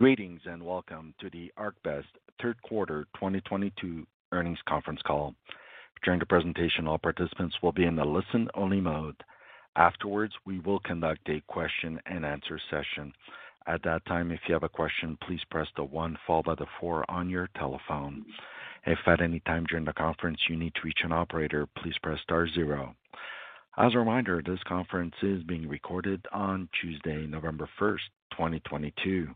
Greetings and welcome to the ArcBest third quarter 2022 earnings conference call. During the presentation, all participants will be in a listen-only mode. Afterwards, we will conduct a question and answer session. At that time, if you have a question, please press the one followed by the four on your telephone. If at any time during the conference you need to reach an operator, please press star zero. As a reminder, this conference is being recorded on Tuesday, November 1st, 2022.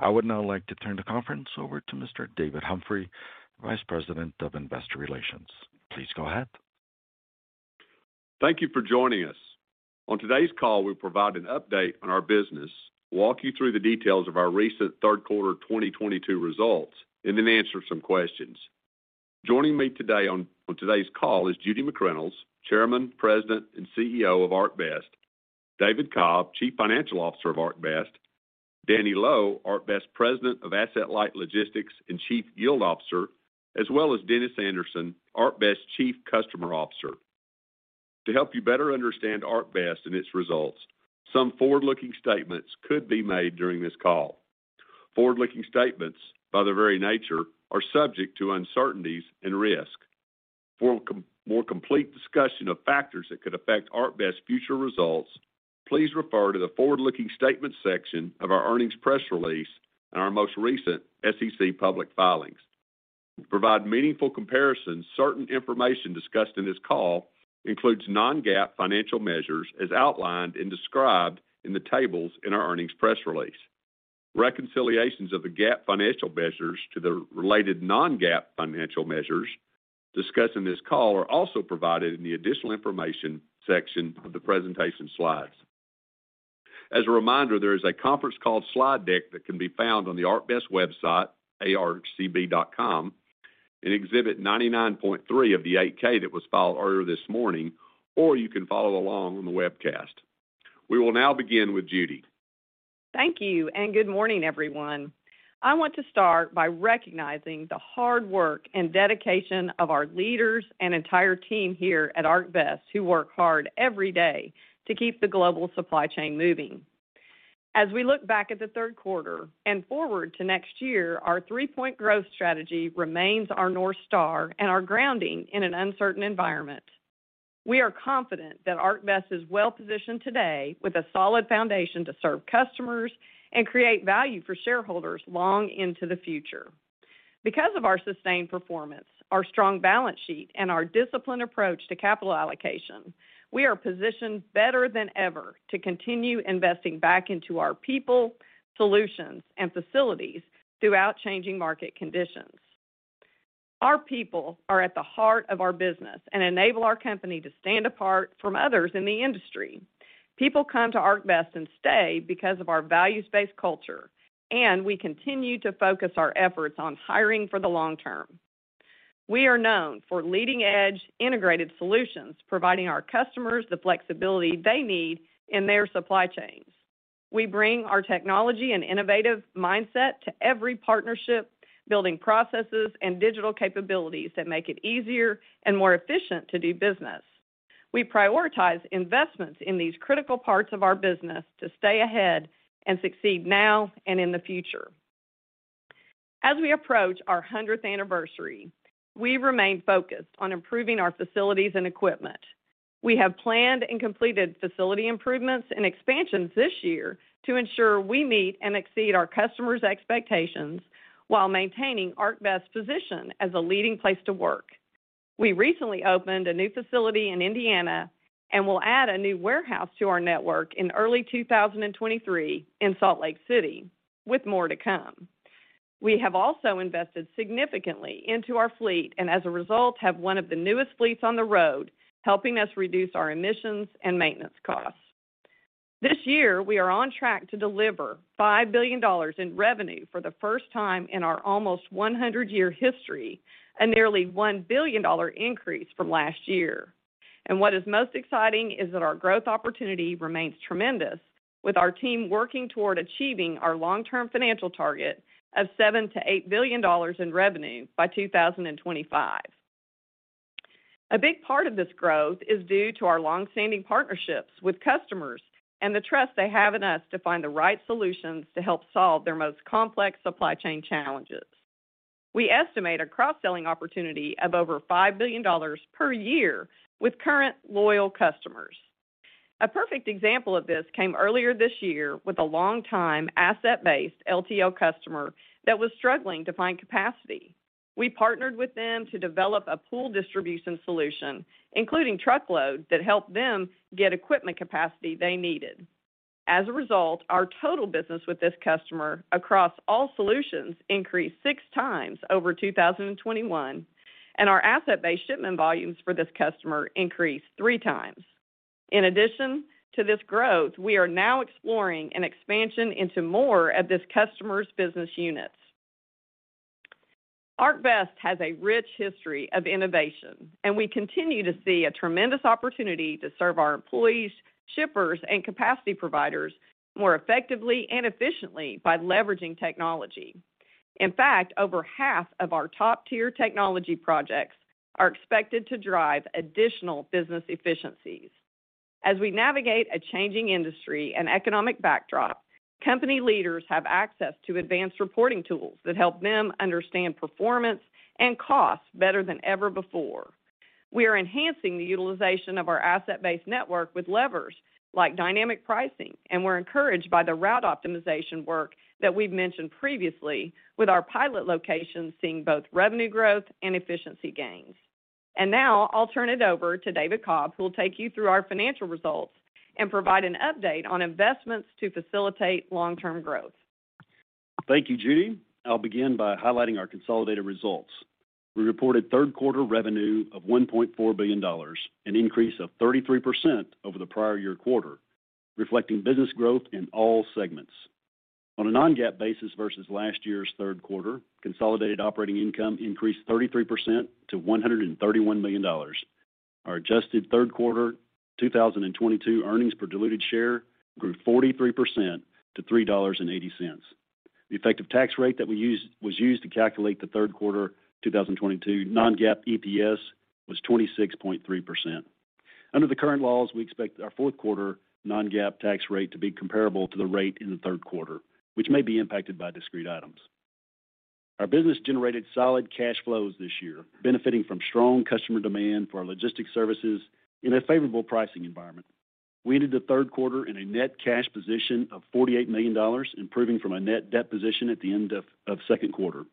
I would now like to turn the conference over to Mr. David Humphrey, Vice President of Investor Relations. Please go ahead. Thank you for joining us. On today's call, we'll provide an update on our business, walk you through the details of our recent third quarter 2022 results, and then answer some questions. Joining me today on today's call is Judy McReynolds, Chairman, President, and CEO of ArcBest, David Cobb, Chief Financial Officer of ArcBest, Danny Loe, President of Asset-Light Logistics and Chief Yield Officer, ArcBest, as well as Dennis Anderson, ArcBest Chief Customer Officer. To help you better understand ArcBest and its results, some forward-looking statements could be made during this call. Forward-looking statements, by their very nature, are subject to uncertainties and risk. For more complete discussion of factors that could affect ArcBest future results, please refer to the forward-looking statement section of our earnings press release and our most recent SEC public filings. To provide meaningful comparisons, certain information discussed in this call includes non-GAAP financial measures as outlined and described in the tables in our earnings press release. Reconciliations of the GAAP financial measures to the related non-GAAP financial measures discussed in this call are also provided in the additional information section of the presentation slides. As a reminder, there is a conference call slide deck that can be found on the ArcBest website, arcb.com, in Exhibit 99.3 of the 8-K that was filed earlier this morning, or you can follow along on the webcast. We will now begin with Judy. Thank you, and good morning, everyone. I want to start by recognizing the hard work and dedication of our leaders and entire team here at ArcBest who work hard every day to keep the global supply chain moving. As we look back at the third quarter and forward to next year, our three-point growth strategy remains our North Star and our grounding in an uncertain environment. We are confident that ArcBest is well-positioned today with a solid foundation to serve customers and create value for shareholders long into the future. Because of our sustained performance, our strong balance sheet, and our disciplined approach to capital allocation, we are positioned better than ever to continue investing back into our people, solutions, and facilities throughout changing market conditions. Our people are at the heart of our business and enable our company to stand apart from others in the industry. People come to ArcBest and stay because of our values-based culture, and we continue to focus our efforts on hiring for the long term. We are known for leading-edge integrated solutions, providing our customers the flexibility they need in their supply chains. We bring our technology and innovative mindset to every partnership, building processes and digital capabilities that make it easier and more efficient to do business. We prioritize investments in these critical parts of our business to stay ahead and succeed now and in the future. As we approach our 100th anniversary, we remain focused on improving our facilities and equipment. We have planned and completed facility improvements and expansions this year to ensure we meet and exceed our customers' expectations while maintaining ArcBest's position as a leading place to work. We recently opened a new facility in Indiana and will add a new warehouse to our network in early 2023 in Salt Lake City, with more to come. We have also invested significantly into our fleet and as a result, have one of the newest fleets on the road, helping us reduce our emissions and maintenance costs. This year, we are on track to deliver $5 billion in revenue for the first time in our almost 100-year history, a nearly $1 billion increase from last year. What is most exciting is that our growth opportunity remains tremendous, with our team working toward achieving our long-term financial target of $7-$8 billion in revenue by 2025. A big part of this growth is due to our long-standing partnerships with customers and the trust they have in us to find the right solutions to help solve their most complex supply chain challenges. We estimate a cross-selling opportunity of over $5 billion per year with current loyal customers. A perfect example of this came earlier this year with a long-time asset-based LTL customer that was struggling to find capacity. We partnered with them to develop a pool distribution solution, including truckload, that helped them get equipment capacity they needed. As a result, our total business with this customer across all solutions increased 6x over 2021, and our asset-based shipment volumes for this customer increased 3x. In addition to this growth, we are now exploring an expansion into more of this customer's business units. ArcBest has a rich history of innovation, and we continue to see a tremendous opportunity to serve our employees, shippers, and capacity providers more effectively and efficiently by leveraging technology. In fact, over half of our top-tier technology projects are expected to drive additional business efficiencies. As we navigate a changing industry and economic backdrop, company leaders have access to advanced reporting tools that help them understand performance and costs better than ever before. We are enhancing the utilization of our asset-based network with levers like dynamic pricing, and we're encouraged by the route optimization work that we've mentioned previously with our pilot locations seeing both revenue growth and efficiency gains. Now I'll turn it over to David Cobb, who will take you through our financial results and provide an update on investments to facilitate long-term growth. Thank you, Judy. I'll begin by highlighting our consolidated results. We reported third quarter revenue of $1.4 billion, an increase of 33% over the prior year quarter, reflecting business growth in all segments. On a non-GAAP basis versus last year's third quarter, consolidated operating income increased 33% to $131 million. Our adjusted third quarter 2022 earnings per diluted share grew 43% to $3.80. The effective tax rate that we used to calculate the third quarter 2022 non-GAAP EPS was 26.3%. Under the current laws, we expect our fourth quarter non-GAAP tax rate to be comparable to the rate in the third quarter, which may be impacted by discrete items. Our business generated solid cash flows this year, benefiting from strong customer demand for our logistics services in a favorable pricing environment. We ended the third quarter in a net cash position of $48 million, improving from a net debt position at the end of second quarter.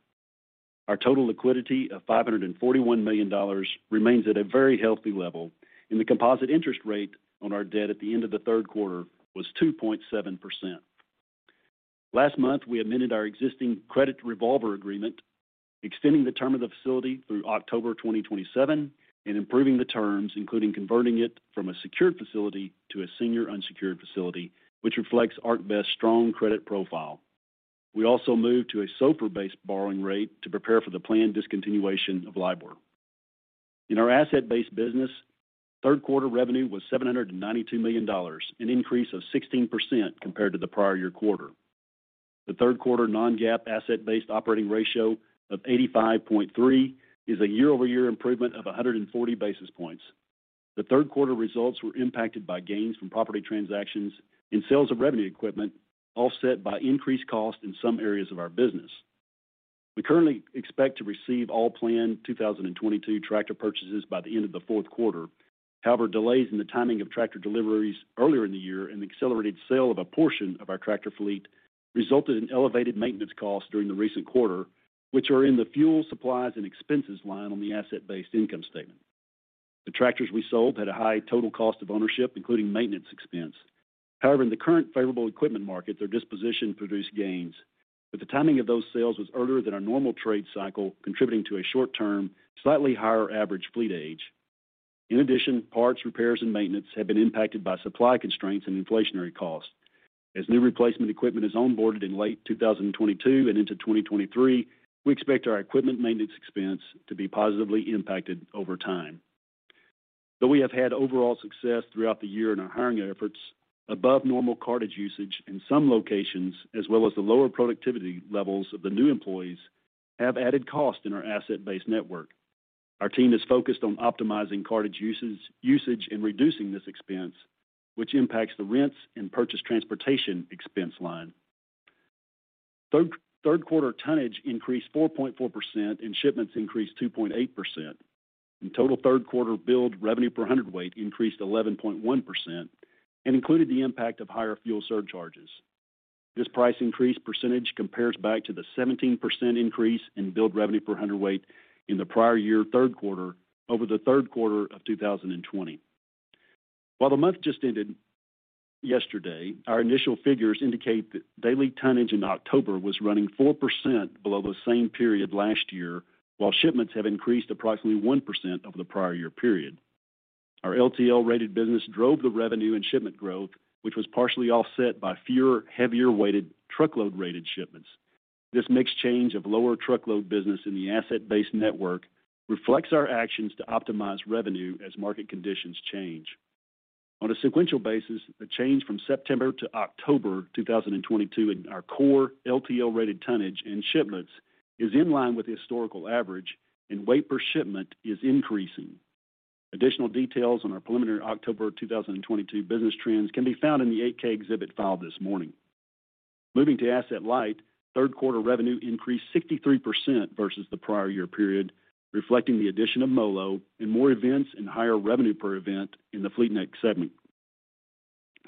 Our total liquidity of $541 million remains at a very healthy level, and the composite interest rate on our debt at the end of the third quarter was 2.7%. Last month, we amended our existing credit revolver agreement, extending the term of the facility through October 2027 and improving the terms, including converting it from a secured facility to a senior unsecured facility, which reflects ArcBest's strong credit profile. We also moved to a SOFR-based borrowing rate to prepare for the planned discontinuation of LIBOR. In our Asset-Based business, third quarter revenue was $792 million, an increase of 16% compared to the prior year quarter. The third quarter non-GAAP Asset-Based operating ratio of 85.3 is a year-over-year improvement of 140 basis points. The third quarter results were impacted by gains from property transactions and sales of revenue equipment, offset by increased costs in some areas of our business. We currently expect to receive all planned 2022 tractor purchases by the end of the fourth quarter. However, delays in the timing of tractor deliveries earlier in the year and the accelerated sale of a portion of our tractor fleet resulted in elevated maintenance costs during the recent quarter, which are in the fuel, supplies, and expenses line on the Asset-Based income statement. The tractors we sold had a high total cost of ownership, including maintenance expense. However, in the current favorable equipment market, their disposition produced gains. The timing of those sales was earlier than our normal trade cycle, contributing to a short term, slightly higher average fleet age. In addition, parts, repairs, and maintenance have been impacted by supply constraints and inflationary costs. As new replacement equipment is onboarded in late 2022 and into 2023, we expect our equipment maintenance expense to be positively impacted over time. Though we have had overall success throughout the year in our hiring efforts, above normal cartage usage in some locations, as well as the lower productivity levels of the new employees have added cost in our Asset-Based network. Our team is focused on optimizing cartage usage and reducing this expense, which impacts the rents and purchase transportation expense line. Third quarter tonnage increased 4.4% and shipments increased 2.8%, and total third quarter billed revenue per hundredweight increased 11.1% and included the impact of higher fuel surcharges. This price increase percentage compares back to the 17% increase in billed revenue per 100 weight in the prior year third quarter over the third quarter of 2020. While the month just ended yesterday, our initial figures indicate that daily tonnage in October was running 4% below the same period last year, while shipments have increased approximately 1% over the prior year period. Our LTL rated business drove the revenue and shipment growth, which was partially offset by fewer, heavier weighted truckload rated shipments. This mixed change of lower truckload business in the Asset-Based network reflects our actions to optimize revenue as market conditions change. On a sequential basis, the change from September to October 2022 in our core LTL rated tonnage and shipments is in line with the historical average, and weight per shipment is increasing. Additional details on our preliminary October 2022 business trends can be found in the 8-K exhibit filed this morning. Moving to Asset-Light, third quarter revenue increased 63% versus the prior year period, reflecting the addition of MoLo and more events and higher revenue per event in the FleetNet segment.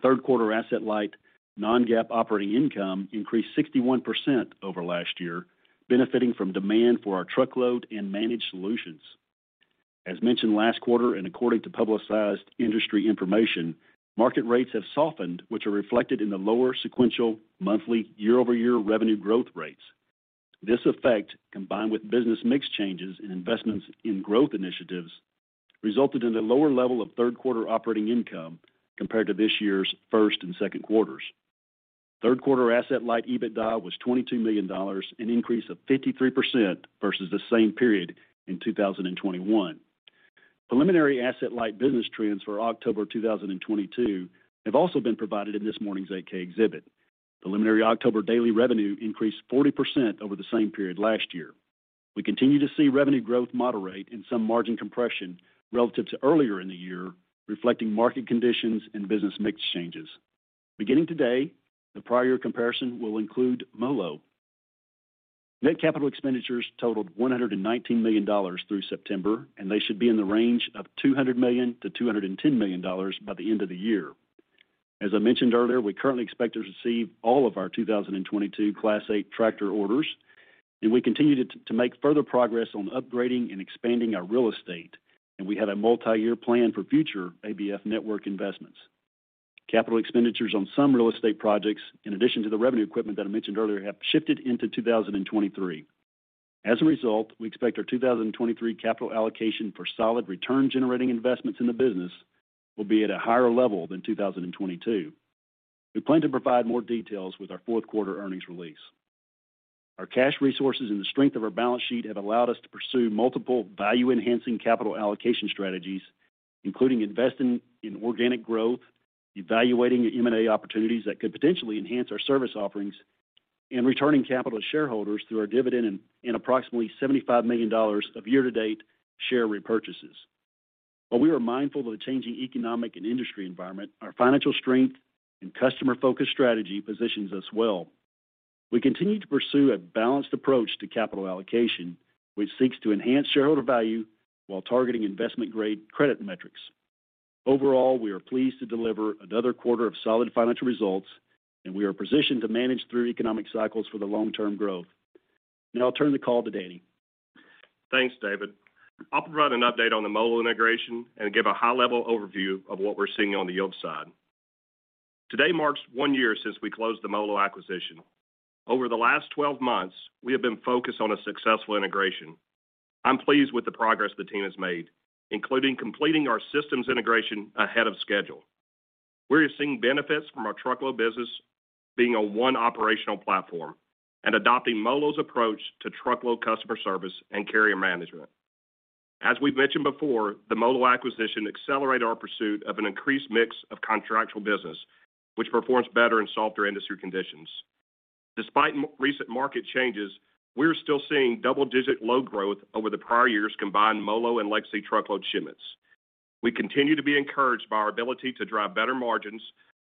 Third quarter Asset-Light non-GAAP operating income increased 61% over last year, benefiting from demand for our truckload and managed solutions. As mentioned last quarter and according to publicized industry information, market rates have softened, which are reflected in the lower sequential monthly year-over-year revenue growth rates. This effect, combined with business mix changes and investments in growth initiatives, resulted in a lower level of third quarter operating income compared to this year's first and second quarters. Third quarter Asset-Light EBITDA was $22 million, an increase of 53% versus the same period in 2021. Preliminary Asset-Light business trends for October 2022 have also been provided in this morning's 8-K exhibit. Preliminary October daily revenue increased 40% over the same period last year. We continue to see revenue growth moderate and some margin compression relative to earlier in the year, reflecting market conditions and business mix changes. Beginning today, the prior year comparison will include MoLo. Net capital expenditures totaled $119 million through September, and they should be in the range of $200 million-$210 million by the end of the year. As I mentioned earlier, we currently expect to receive all of our 2022 Class eight tractor orders, and we continue to make further progress on upgrading and expanding our real estate, and we have a multi-year plan for future ABF network investments. Capital expenditures on some real estate projects, in addition to the revenue equipment that I mentioned earlier, have shifted into 2023. As a result, we expect our 2023 capital allocation for solid return-generating investments in the business will be at a higher level than 2022. We plan to provide more details with our fourth quarter earnings release. Our cash resources and the strength of our balance sheet have allowed us to pursue multiple value-enhancing capital allocation strategies, including investing in organic growth, evaluating M&A opportunities that could potentially enhance our service offerings, and returning capital to shareholders through our dividend and approximately $75 million of year-to-date share repurchases. While we are mindful of the changing economic and industry environment, our financial strength and customer-focused strategy positions us well. We continue to pursue a balanced approach to capital allocation, which seeks to enhance shareholder value while targeting investment-grade credit metrics. Overall, we are pleased to deliver another quarter of solid financial results, and we are positioned to manage through economic cycles for the long-term growth. Now I'll turn the call to Danny. Thanks, David. I'll provide an update on the MoLo integration and give a high-level overview of what we're seeing on the yield side. Today marks one year since we closed the MoLo acquisition. Over the last 12 months, we have been focused on a successful integration. I'm pleased with the progress the team has made, including completing our systems integration ahead of schedule. We are seeing benefits from our truckload business being a one operational platform and adopting MoLo's approach to truckload customer service and carrier management. As we've mentioned before, the MoLo acquisition accelerated our pursuit of an increased mix of contractual business, which performs better in softer industry conditions. Despite more recent market changes, we're still seeing double-digit load growth over the prior years combined MoLo and legacy truckload shipments. We continue to be encouraged by our ability to drive better margins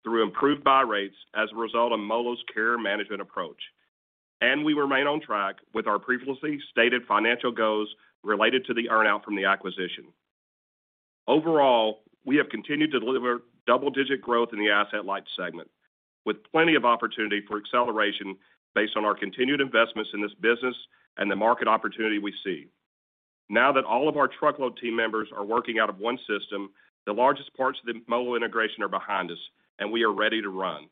through improved buy rates as a result of MoLo's carrier management approach. We remain on track with our previously stated financial goals related to the earn-out from the acquisition. Overall, we have continued to deliver double-digit growth in the asset light segment with plenty of opportunity for acceleration based on our continued investments in this business and the market opportunity we see. Now that all of our truckload team members are working out of one system, the largest parts of the MoLo integration are behind us and we are ready to run.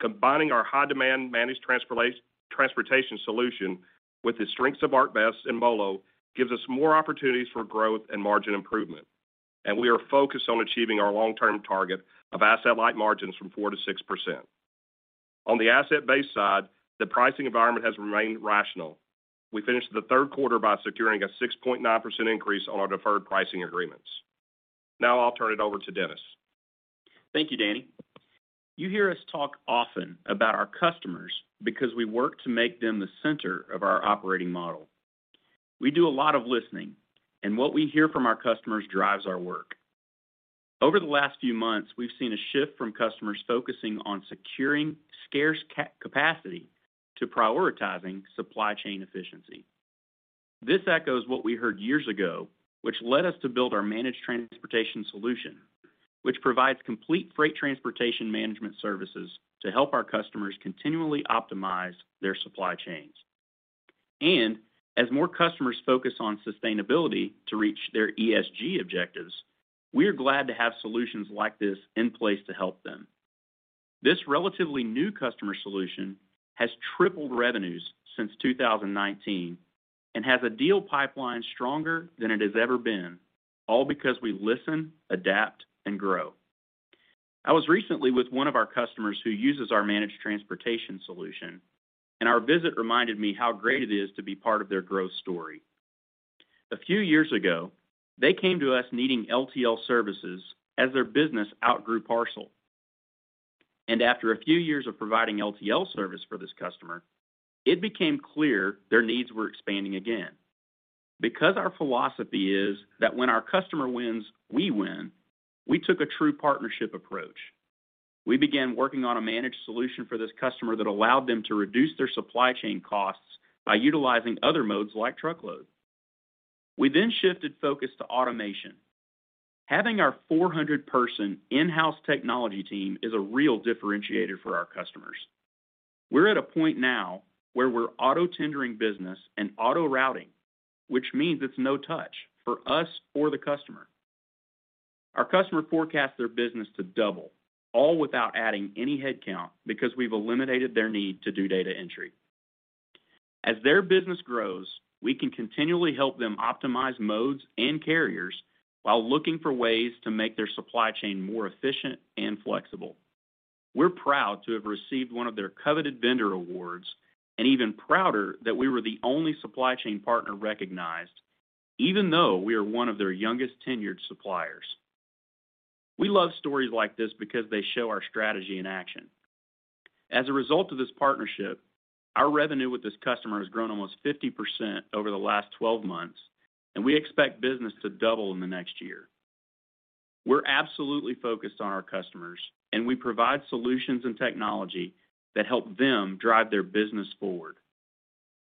Combining our high-demand managed transportation solution with the strengths of ArcBest and MoLo gives us more opportunities for growth and margin improvement, and we are focused on achieving our long-term target of asset light margins from 4%-6%. On the asset-based side, the pricing environment has remained rational. We finished the third quarter by securing a 6.9% increase on our deferred pricing agreements. Now I'll turn it over to Dennis. Thank you, Danny. You hear us talk often about our customers because we work to make them the center of our operating model. We do a lot of listening, and what we hear from our customers drives our work. Over the last few months, we've seen a shift from customers focusing on securing scarce capacity to prioritizing supply chain efficiency. This echoes what we heard years ago, which led us to build our managed transportation solution, which provides complete freight transportation management services to help our customers continually optimize their supply chains. As more customers focus on sustainability to reach their ESG objectives, we are glad to have solutions like this in place to help them. This relatively new customer solution has tripled revenues since 2019 and has a deal pipeline stronger than it has ever been, all because we listen, adapt, and grow. I was recently with one of our customers who uses our managed transportation solution, and our visit reminded me how great it is to be part of their growth story. A few years ago, they came to us needing LTL services as their business outgrew parcel. After a few years of providing LTL service for this customer, it became clear their needs were expanding again. Because our philosophy is that when our customer wins, we win, we took a true partnership approach. We began working on a managed solution for this customer that allowed them to reduce their supply chain costs by utilizing other modes like truckload. We then shifted focus to automation. Having our 400-person in-house technology team is a real differentiator for our customers. We're at a point now where we're auto-tendering business and auto-routing, which means it's no touch for us or the customer. Our customer forecasts their business to double, all without adding any headcount because we've eliminated their need to do data entry. As their business grows, we can continually help them optimize modes and carriers while looking for ways to make their supply chain more efficient and flexible. We're proud to have received one of their coveted vendor awards, and even prouder that we were the only supply chain partner recognized, even though we are one of their youngest tenured suppliers. We love stories like this because they show our strategy in action. As a result of this partnership, our revenue with this customer has grown almost 50% over the last 12 months, and we expect business to double in the next year. We're absolutely focused on our customers, and we provide solutions and technology that help them drive their business forward.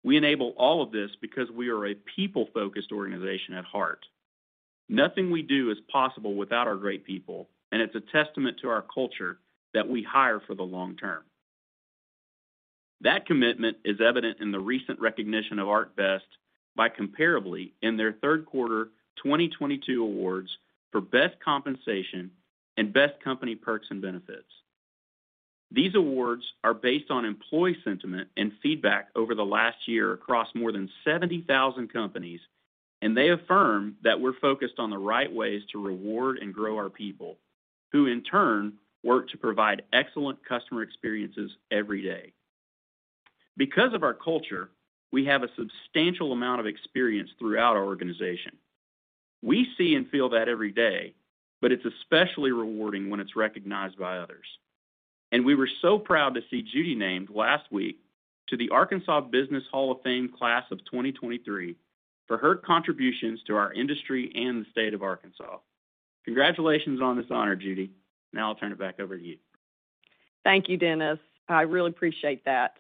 We enable all of this because we are a people-focused organization at heart. Nothing we do is possible without our great people, and it's a testament to our culture that we hire for the long term. That commitment is evident in the recent recognition of ArcBest by Comparably in their third quarter 2022 awards for best compensation and best company perks and benefits. These awards are based on employee sentiment and feedback over the last year across more than 70,000 companies, and they affirm that we're focused on the right ways to reward and grow our people, who in turn work to provide excellent customer experiences every day. Because of our culture, we have a substantial amount of experience throughout our organization. We see and feel that every day, but it's especially rewarding when it's recognized by others. We were so proud to see Judy named last week to the Arkansas Business Hall of Fame Class of 2023 for her contributions to our industry and the state of Arkansas. Congratulations on this honor, Judy. Now I'll turn it back over to you. Thank you, Dennis. I really appreciate that.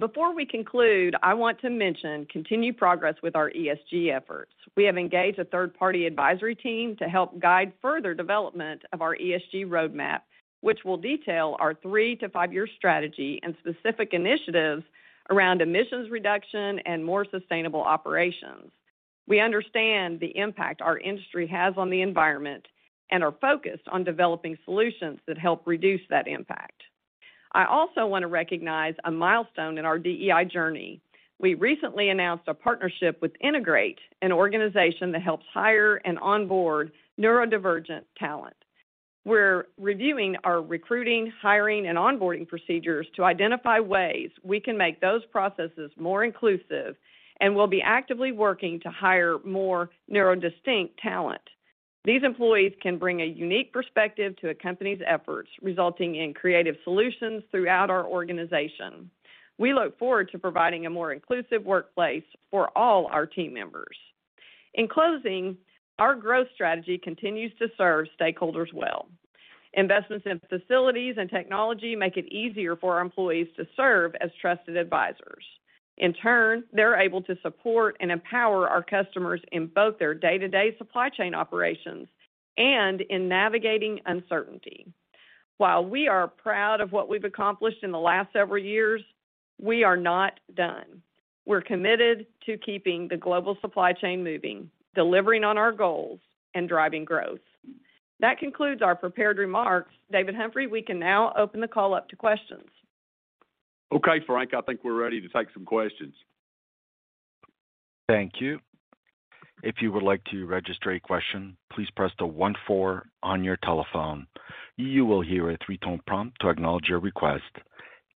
Before we conclude, I want to mention continued progress with our ESG efforts. We have engaged a third-party advisory team to help guide further development of our ESG roadmap, which will detail our three to five year strategy and specific initiatives around emissions reduction and more sustainable operations. We understand the impact our industry has on the environment and are focused on developing solutions that help reduce that impact. I also want to recognize a milestone in our DEI journey. We recently announced a partnership with Integrate, an organization that helps hire and onboard neurodivergent talent. We're reviewing our recruiting, hiring, and onboarding procedures to identify ways we can make those processes more inclusive and will be actively working to hire more neurodistinct talent. These employees can bring a unique perspective to a company's efforts, resulting in creative solutions throughout our organization. We look forward to providing a more inclusive workplace for all our team members. In closing, our growth strategy continues to serve stakeholders well. Investments in facilities and technology make it easier for our employees to serve as trusted advisors. In turn, they're able to support and empower our customers in both their day-to-day supply chain operations and in navigating uncertainty. While we are proud of what we've accomplished in the last several years, we are not done. We're committed to keeping the global supply chain moving, delivering on our goals, and driving growth. That concludes our prepared remarks. David Humphrey, we can now open the call up to questions. Okay, Frank, I think we're ready to take some questions. Thank you. If you would like to register a question, please press the one four on your telephone. You will hear a three-tone prompt to acknowledge your request.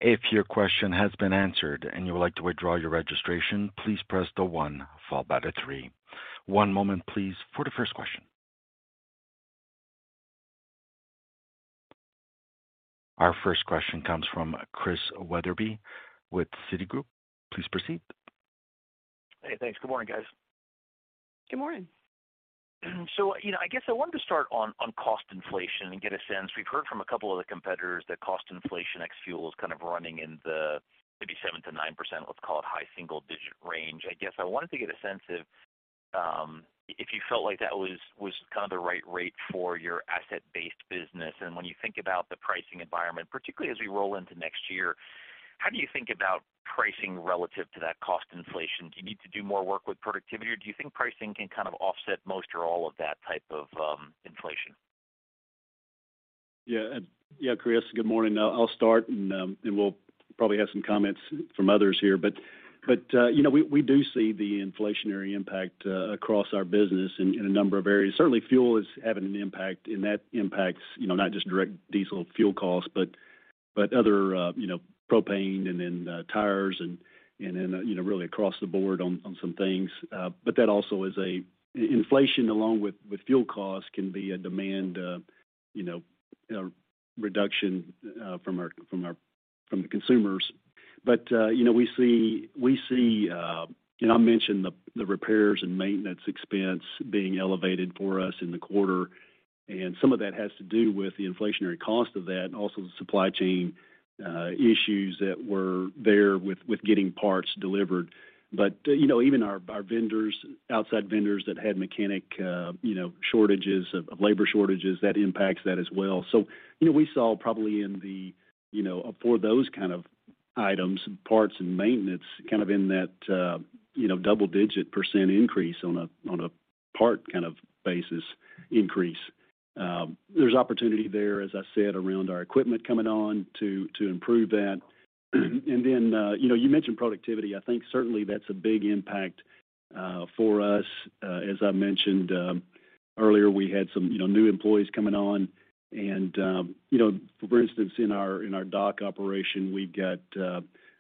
If your question has been answered and you would like to withdraw your registration, please press the one followed by the three. One moment please for the first question. Our first question comes from Chris Wetherbee with Citigroup. Please proceed. Hey, thanks. Good morning, guys. Good morning. You know, I guess I wanted to start on cost inflation and get a sense. We've heard from a couple of the competitors that cost inflation ex fuel is kind of running in the maybe 7%-9%, let's call it high single digit range. I guess I wanted to get a sense of if you felt like that was kind of the right rate for your asset-based business. When you think about the pricing environment, particularly as we roll into next year, how do you think about pricing relative to that cost inflation? Do you need to do more work with productivity, or do you think pricing can kind of offset most or all of that type of inflation? Yeah, Chris, good morning. I'll start, and we'll probably have some comments from others here. You know, we do see the inflationary impact across our business in a number of areas. Certainly, fuel is having an impact, and that impacts you know, not just direct diesel fuel costs, but other you know, propane and then tires and then you know, really across the board on some things. That also is inflation along with fuel costs can be a demand you know, reduction from our consumers. You know, we see and I mentioned the repairs and maintenance expense being elevated for us in the quarter, and some of that has to do with the inflationary cost of that, also the supply chain issues that were there with getting parts delivered. You know, even our vendors, outside vendors that had mechanic shortages, labor shortages, that impacts that as well. You know, we saw probably, you know, for those kind of items, parts and maintenance kind of in that, you know, double-digit percent increase on a part kind of basis increase. There's opportunity there, as I said, around our equipment coming on to improve that. You know, you mentioned productivity. I think certainly that's a big impact for us. As I mentioned earlier, we had some, you know, new employees coming on. For instance, in our dock operation, we've got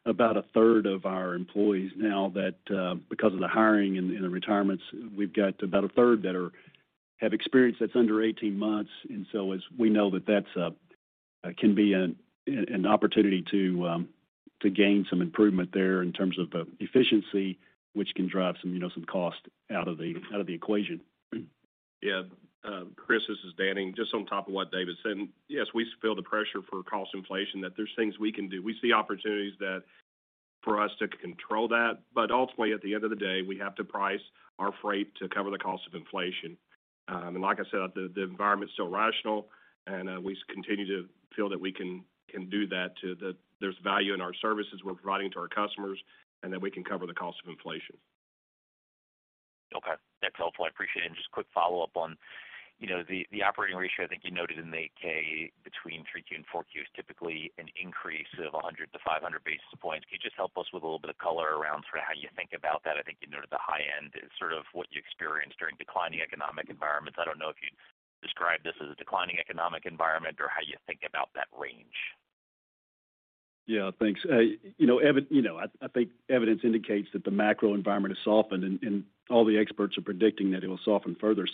about a 1/3 of our employees now that, because of the hiring and the retirements, have experience that's under 18 months. As we know that that's can be an opportunity to gain some improvement there in terms of efficiency, which can drive some, you know, cost out of the equation. Yeah. Chris, this is Danny. Just on top of what David said, yes, we feel the pressure for cost inflation, that there's things we can do. We see opportunities that for us to control that. Ultimately, at the end of the day, we have to price our freight to cover the cost of inflation. Like I said, the environment is still rational, and we continue to feel that we can do that. There's value in our services we're providing to our customers, and that we can cover the cost of inflation. Okay, that's helpful. I appreciate it. Just quick follow-up on, you know, the operating ratio, I think you noted in the 8-K between Q3 and Q4 is typically an increase of 100-500 basis points. Can you just help us with a little bit of color around sort of how you think about that? I think you noted the high end is sort of what you experienced during declining economic environments. I don't know if you'd describe this as a declining economic environment or how you think about that range. Yeah, thanks. You know, I think evidence indicates that the macro environment has softened and all the experts are predicting that it will soften further.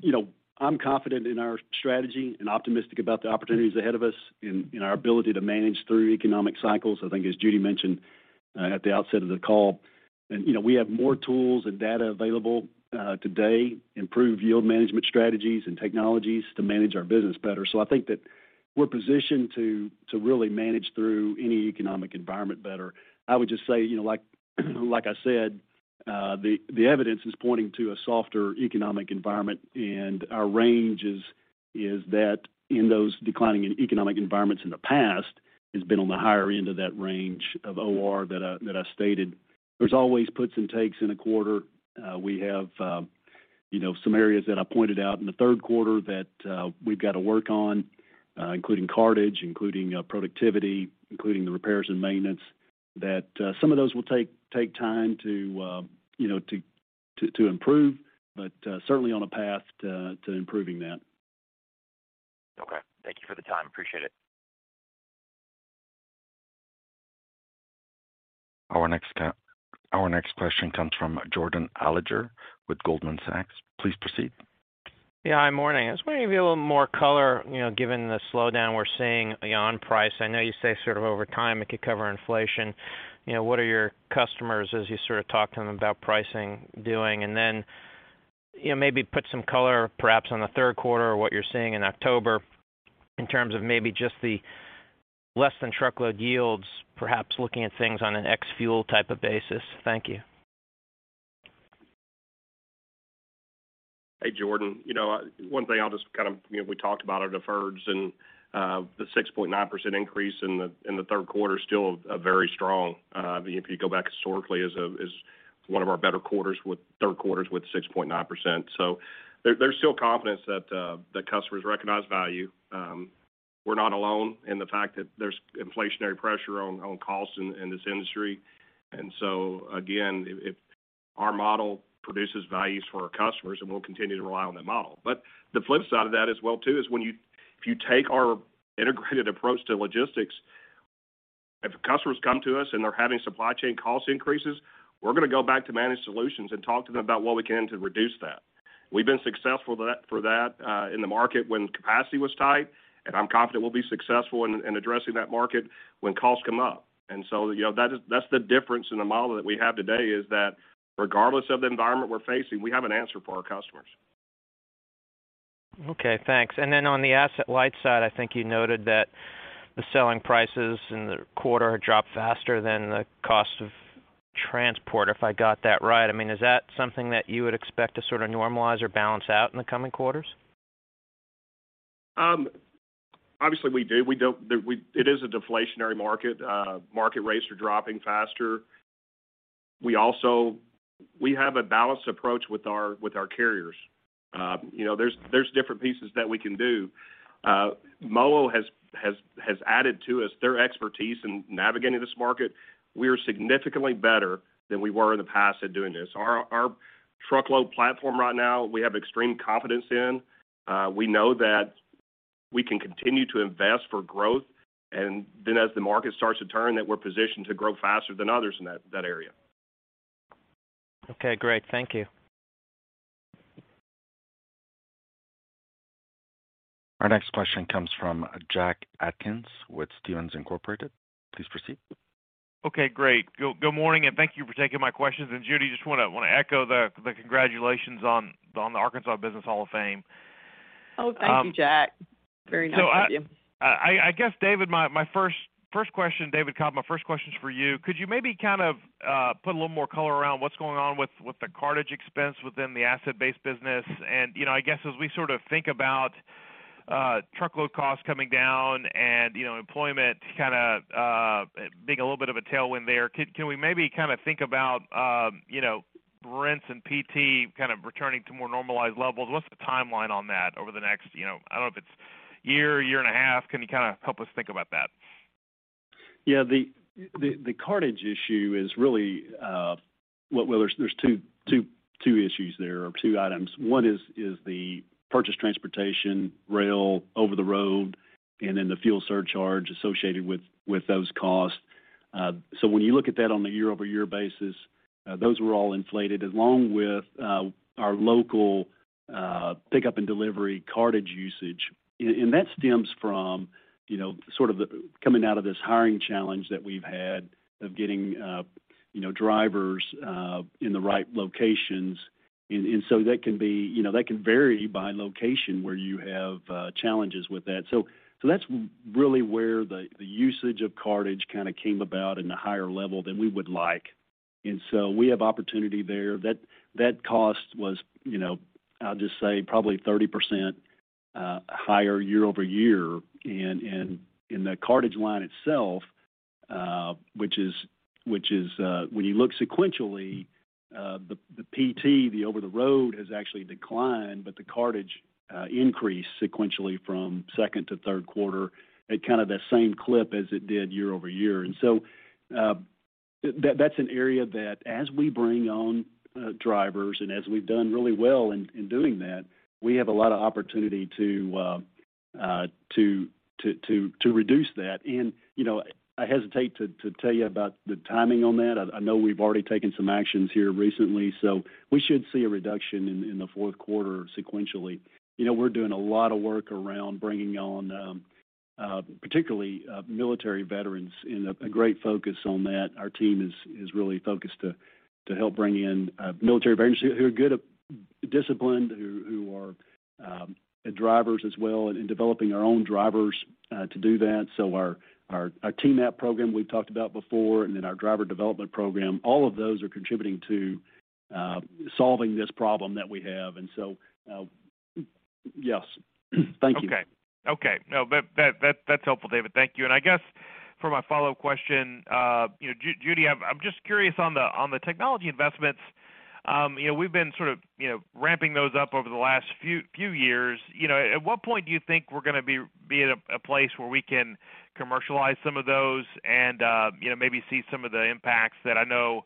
You know, I'm confident in our strategy and optimistic about the opportunities ahead of us in our ability to manage through economic cycles. I think as Judy mentioned at the outset of the call, you know, we have more tools and data available today, improved yield management strategies and technologies to manage our business better. I think that we're positioned to really manage through any economic environment better. I would just say, you know, like I said, the evidence is pointing to a softer economic environment, and our range is that in those declining economic environments in the past has been on the higher end of that range of OR that I stated. There's always puts and takes in a quarter. We have, you know, some areas that I pointed out in the third quarter that we've got to work on, including cartage, including productivity, including the repairs and maintenance, that some of those will take time to, you know, to improve, but certainly on a path to improving that. Okay. Thank you for the time. Appreciate it. Our next question comes from Jordan Alliger with Goldman Sachs. Please proceed. Yeah. Morning. I was wondering if you have a little more color, you know, given the slowdown we're seeing beyond price. I know you say sort of over time it could cover inflation. You know, what are your customers as you sort of talk to them about pricing doing? And then, you know, maybe put some color perhaps on the third quarter or what you're seeing in October in terms of maybe just the less than truckload yields, perhaps looking at things on an ex-fuel type of basis. Thank you. Hey, Jordan. You know, one thing I'll just kind of, you know, we talked about our deferreds and the 6.9% increase in the third quarter is still a very strong. If you go back historically, it is one of our better third quarters with 6.9%. There's still confidence that customers recognize value. We're not alone in the fact that there's inflationary pressure on costs in this industry. Again, if our model produces values for our customers, we'll continue to rely on that model. The flip side of that as well too is when, if you take our integrated approach to logistics, if customers come to us and they're having supply chain cost increases, we're going to go back to managed solutions and talk to them about what we can to reduce that. We've been successful for that in the market when capacity was tight, and I'm confident we'll be successful in addressing that market when costs come up. You know, that's the difference in the model that we have today, is that regardless of the environment we're facing, we have an answer for our customers. Okay, thanks. On the asset-light side, I think you noted that the selling prices in the quarter dropped faster than the cost of transport, if I got that right. I mean, is that something that you would expect to sort of normalize or balance out in the coming quarters? Obviously we do. It is a deflationary market. Market rates are dropping faster. We have a balanced approach with our carriers. You know, there's different pieces that we can do. MoLo has added to us their expertise in navigating this market. We are significantly better than we were in the past at doing this. Our truckload platform right now, we have extreme confidence in. We know that we can continue to invest for growth, and then as the market starts to turn, that we're positioned to grow faster than others in that area. Okay, great. Thank you. Our next question comes from Jack Atkins with Stephens Inc. Please proceed. Okay, great. Good morning, and thank you for taking my questions. Judy, just want to echo the congratulations on the Arkansas Business Hall of Fame. Oh, thank you, Jack. Very nice of you. I guess, David, my first question, David Cobb, is for you. Could you maybe kind of put a little more color around what's going on with the cartage expense within the asset-based business? You know, I guess as we sort of think about truckload costs coming down and, you know, employment kind of being a little bit of a tailwind there, can we maybe kind of think about, you know, rents and PT kind of returning to more normalized levels? What's the timeline on that over the next, you know, I don't know if it's a year and a half? Can you kind of help us think about that? Yeah, the cartage issue is really, there's two issues there or two items. One is the purchased transportation, rail over the road, and then the fuel surcharge associated with those costs. When you look at that on a year-over-year basis, those were all inflated, along with our local pickup and delivery cartage usage. That stems from, you know, sort of the coming out of this hiring challenge that we've had of getting, you know, drivers in the right locations. That can be, you know, that can vary by location where you have challenges with that. That's really where the usage of cartage kinda came about in a higher level than we would like. We have opportunity there. That cost was, you know, I'll just say probably 30% higher year-over-year. In the cartage line itself, which is, when you look sequentially, the PT, the over the road has actually declined, but the cartage increased sequentially from second to third quarter at kind of the same clip as it did year-over-year. That’s an area that as we bring on drivers and as we've done really well in doing that, we have a lot of opportunity to reduce that. You know, I hesitate to tell you about the timing on that. I know we've already taken some actions here recently, so we should see a reduction in the fourth quarter sequentially. You know, we're doing a lot of work around bringing on particularly military veterans and a great focus on that. Our team is really focused to help bring in military veterans who are good, disciplined, who are drivers as well, and developing our own drivers to do that. Our TeamApp program we've talked about before, and then our driver development program, all of those are contributing to solving this problem that we have. Yes. Thank you. Okay. No, that's helpful, David. Thank you. I guess for my follow-up question, you know, Judy, I'm just curious on the technology investments. You know, we've been sort of, you know, ramping those up over the last few years. You know, at what point do you think we're gonna be in a place where we can commercialize some of those and, you know, maybe see some of the impacts that I know,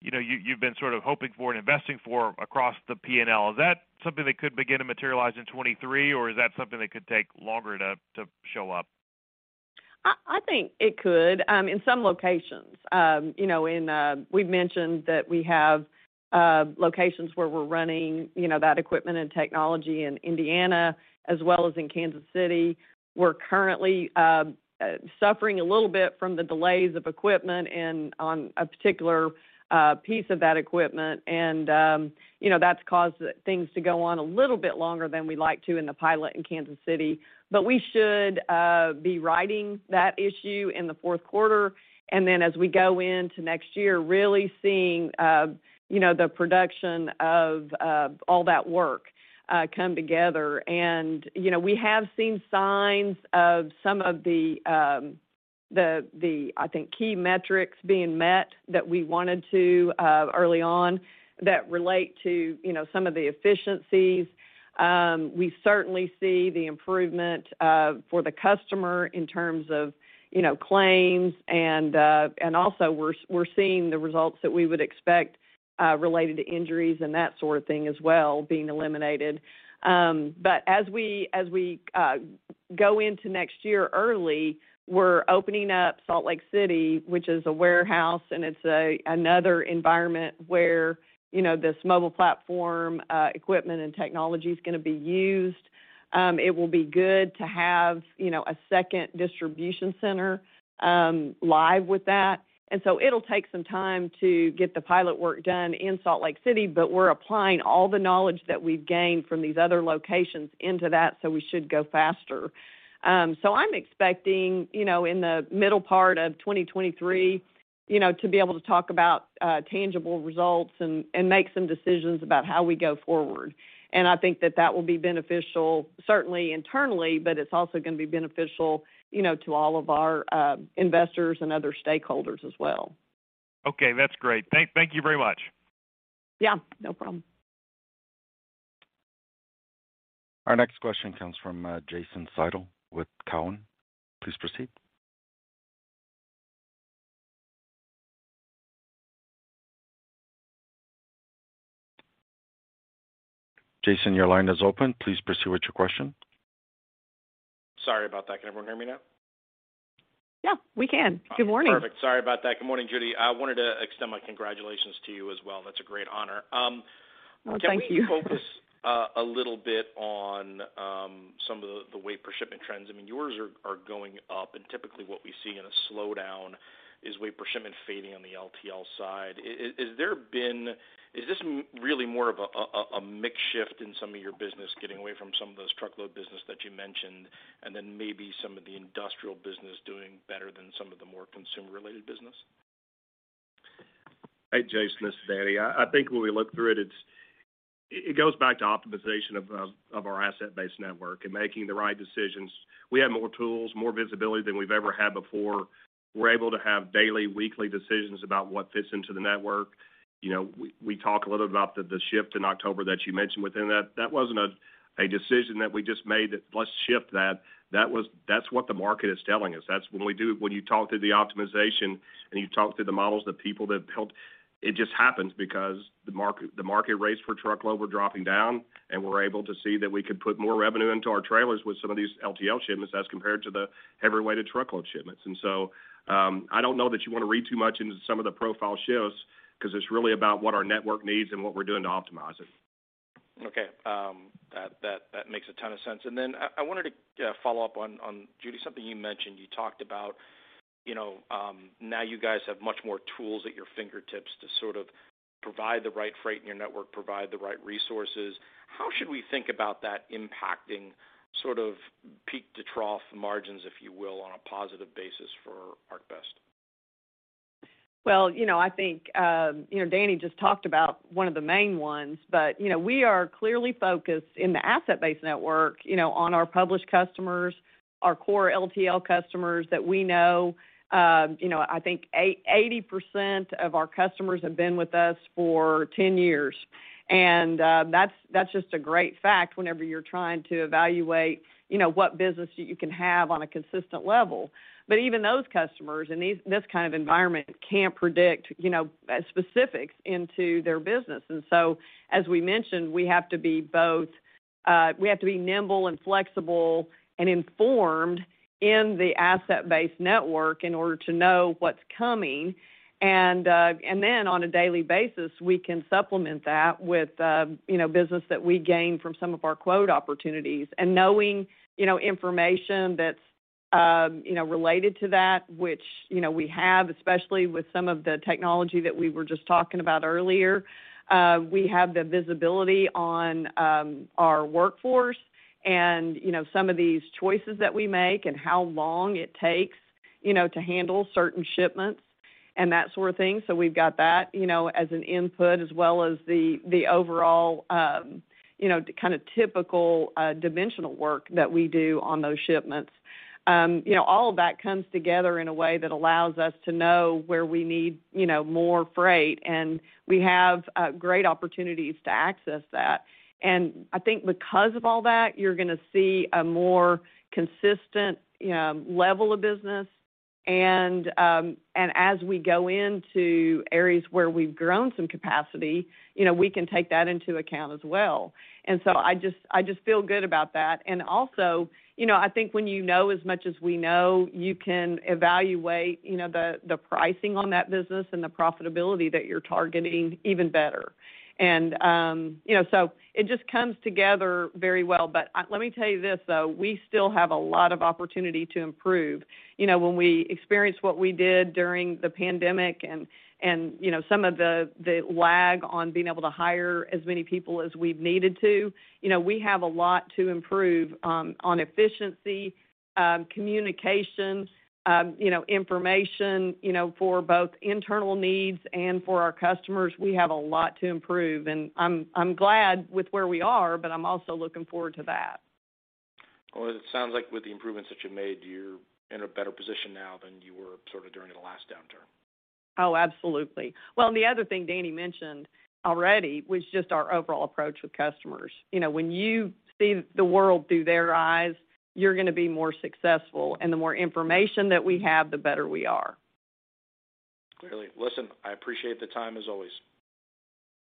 you know, you've been sort of hoping for and investing for across the P&L? Is that something that could begin to materialize in 2023, or is that something that could take longer to show up? I think it could in some locations. You know, we've mentioned that we have locations where we're running, you know, that equipment and technology in Indiana as well as in Kansas City. We're currently suffering a little bit from the delays of equipment and on a particular piece of that equipment. You know, that's caused things to go on a little bit longer than we'd like to in the pilot in Kansas City. We should be righting that issue in the fourth quarter, and then as we go into next year, really seeing, you know, the production of all that work come together. You know, we have seen signs of some of the, I think, key metrics being met that we wanted to early on that relate to, you know, some of the efficiencies. We certainly see the improvement for the customer in terms of, you know, claims and and also we're seeing the results that we would expect related to injuries and that sort of thing as well being eliminated. As we go into next year early, we're opening up Salt Lake City, which is a warehouse, and it's another environment where, you know, this mobile platform equipment and technology is gonna be used. It will be good to have, you know, a second distribution center live with that. It'll take some time to get the pilot work done in Salt Lake City, but we're applying all the knowledge that we've gained from these other locations into that, so we should go faster. So I'm expecting, you know, in the middle part of 2023, you know, to be able to talk about tangible results and make some decisions about how we go forward. I think that will be beneficial certainly internally, but it's also gonna be beneficial, you know, to all of our investors and other stakeholders as well. Okay, that's great. Thank you very much. Yeah, no problem. Our next question comes from Jason Seidl with Cowen. Please proceed. Jason, your line is open. Please proceed with your question. Sorry about that. Can everyone hear me now? Yeah, we can. Good morning. Perfect. Sorry about that. Good morning, Judy. I wanted to extend my congratulations to you as well. That's a great honor. Well, thank you. Can we focus a little bit on some of the weight per shipment trends? I mean, yours are going up, and typically what we see in a slowdown is weight per shipment fading on the LTL side. Is this really more of a mix shift in some of your business getting away from some of those truckload business that you mentioned, and then maybe some of the industrial business doing better than some of the more consumer-related business? Hey, Jason, this is Danny. I think when we look through it's It goes back to optimization of our asset-based network and making the right decisions. We have more tools, more visibility than we've ever had before. We're able to have daily, weekly decisions about what fits into the network. You know, we talk a little bit about the shift in October that you mentioned within that. That wasn't a decision that we just made that let's shift that. That was what the market is telling us. When you talk through the optimization and you talk through the models that people helped, it just happens because the market rates for truckload were dropping down, and we're able to see that we could put more revenue into our trailers with some of these LTL shipments as compared to the heavier-weighted truckload shipments. I don't know that you want to read too much into some of the profile shifts because it's really about what our network needs and what we're doing to optimize it. Okay. That makes a ton of sense. Then I wanted to follow up on Judy, something you mentioned. You talked about now you guys have much more tools at your fingertips to sort of provide the right freight in your network, provide the right resources. How should we think about that impacting sort of peak-to-trough margins, if you will, on a positive basis for ArcBest? Well, you know, I think, you know, Danny just talked about one of the main ones, but, you know, we are clearly focused in the asset-based network, you know, on our published customers, our core LTL customers that we know. You know, I think 80% of our customers have been with us for 10 years. That's just a great fact whenever you're trying to evaluate, you know, what business you can have on a consistent level. Even those customers in this kind of environment can't predict, you know, specifics into their business. As we mentioned, we have to be both, we have to be nimble and flexible and informed in the asset-based network in order to know what's coming. On a daily basis, we can supplement that with, you know, business that we gain from some of our quote opportunities. Knowing, you know, information that's, you know, related to that, which, you know, we have, especially with some of the technology that we were just talking about earlier, we have the visibility on, our workforce and, you know, some of these choices that we make and how long it takes, you know, to handle certain shipments and that sort of thing. We've got that, you know, as an input as well as the overall, you know, kind of typical, dimensional work that we do on those shipments. You know, all of that comes together in a way that allows us to know where we need, you know, more freight, and we have great opportunities to access that. I think because of all that, you're gonna see a more consistent, you know, level of business. As we go into areas where we've grown some capacity, you know, we can take that into account as well. I just feel good about that. You know, I think when you know as much as we know, you can evaluate, you know, the pricing on that business and the profitability that you're targeting even better. You know, it just comes together very well. Let me tell you this, though. We still have a lot of opportunity to improve. You know, when we experienced what we did during the pandemic and you know, some of the lag on being able to hire as many people as we've needed to, you know, we have a lot to improve on efficiency, communication, you know, information you know, for both internal needs and for our customers. We have a lot to improve. I'm glad with where we are, but I'm also looking forward to that. Well, it sounds like with the improvements that you've made, you're in a better position now than you were sort of during the last downturn. Oh, absolutely. Well, the other thing Danny mentioned already was just our overall approach with customers. You know, when you see the world through their eyes, you're gonna be more successful. The more information that we have, the better we are. Clearly. Listen, I appreciate the time as always.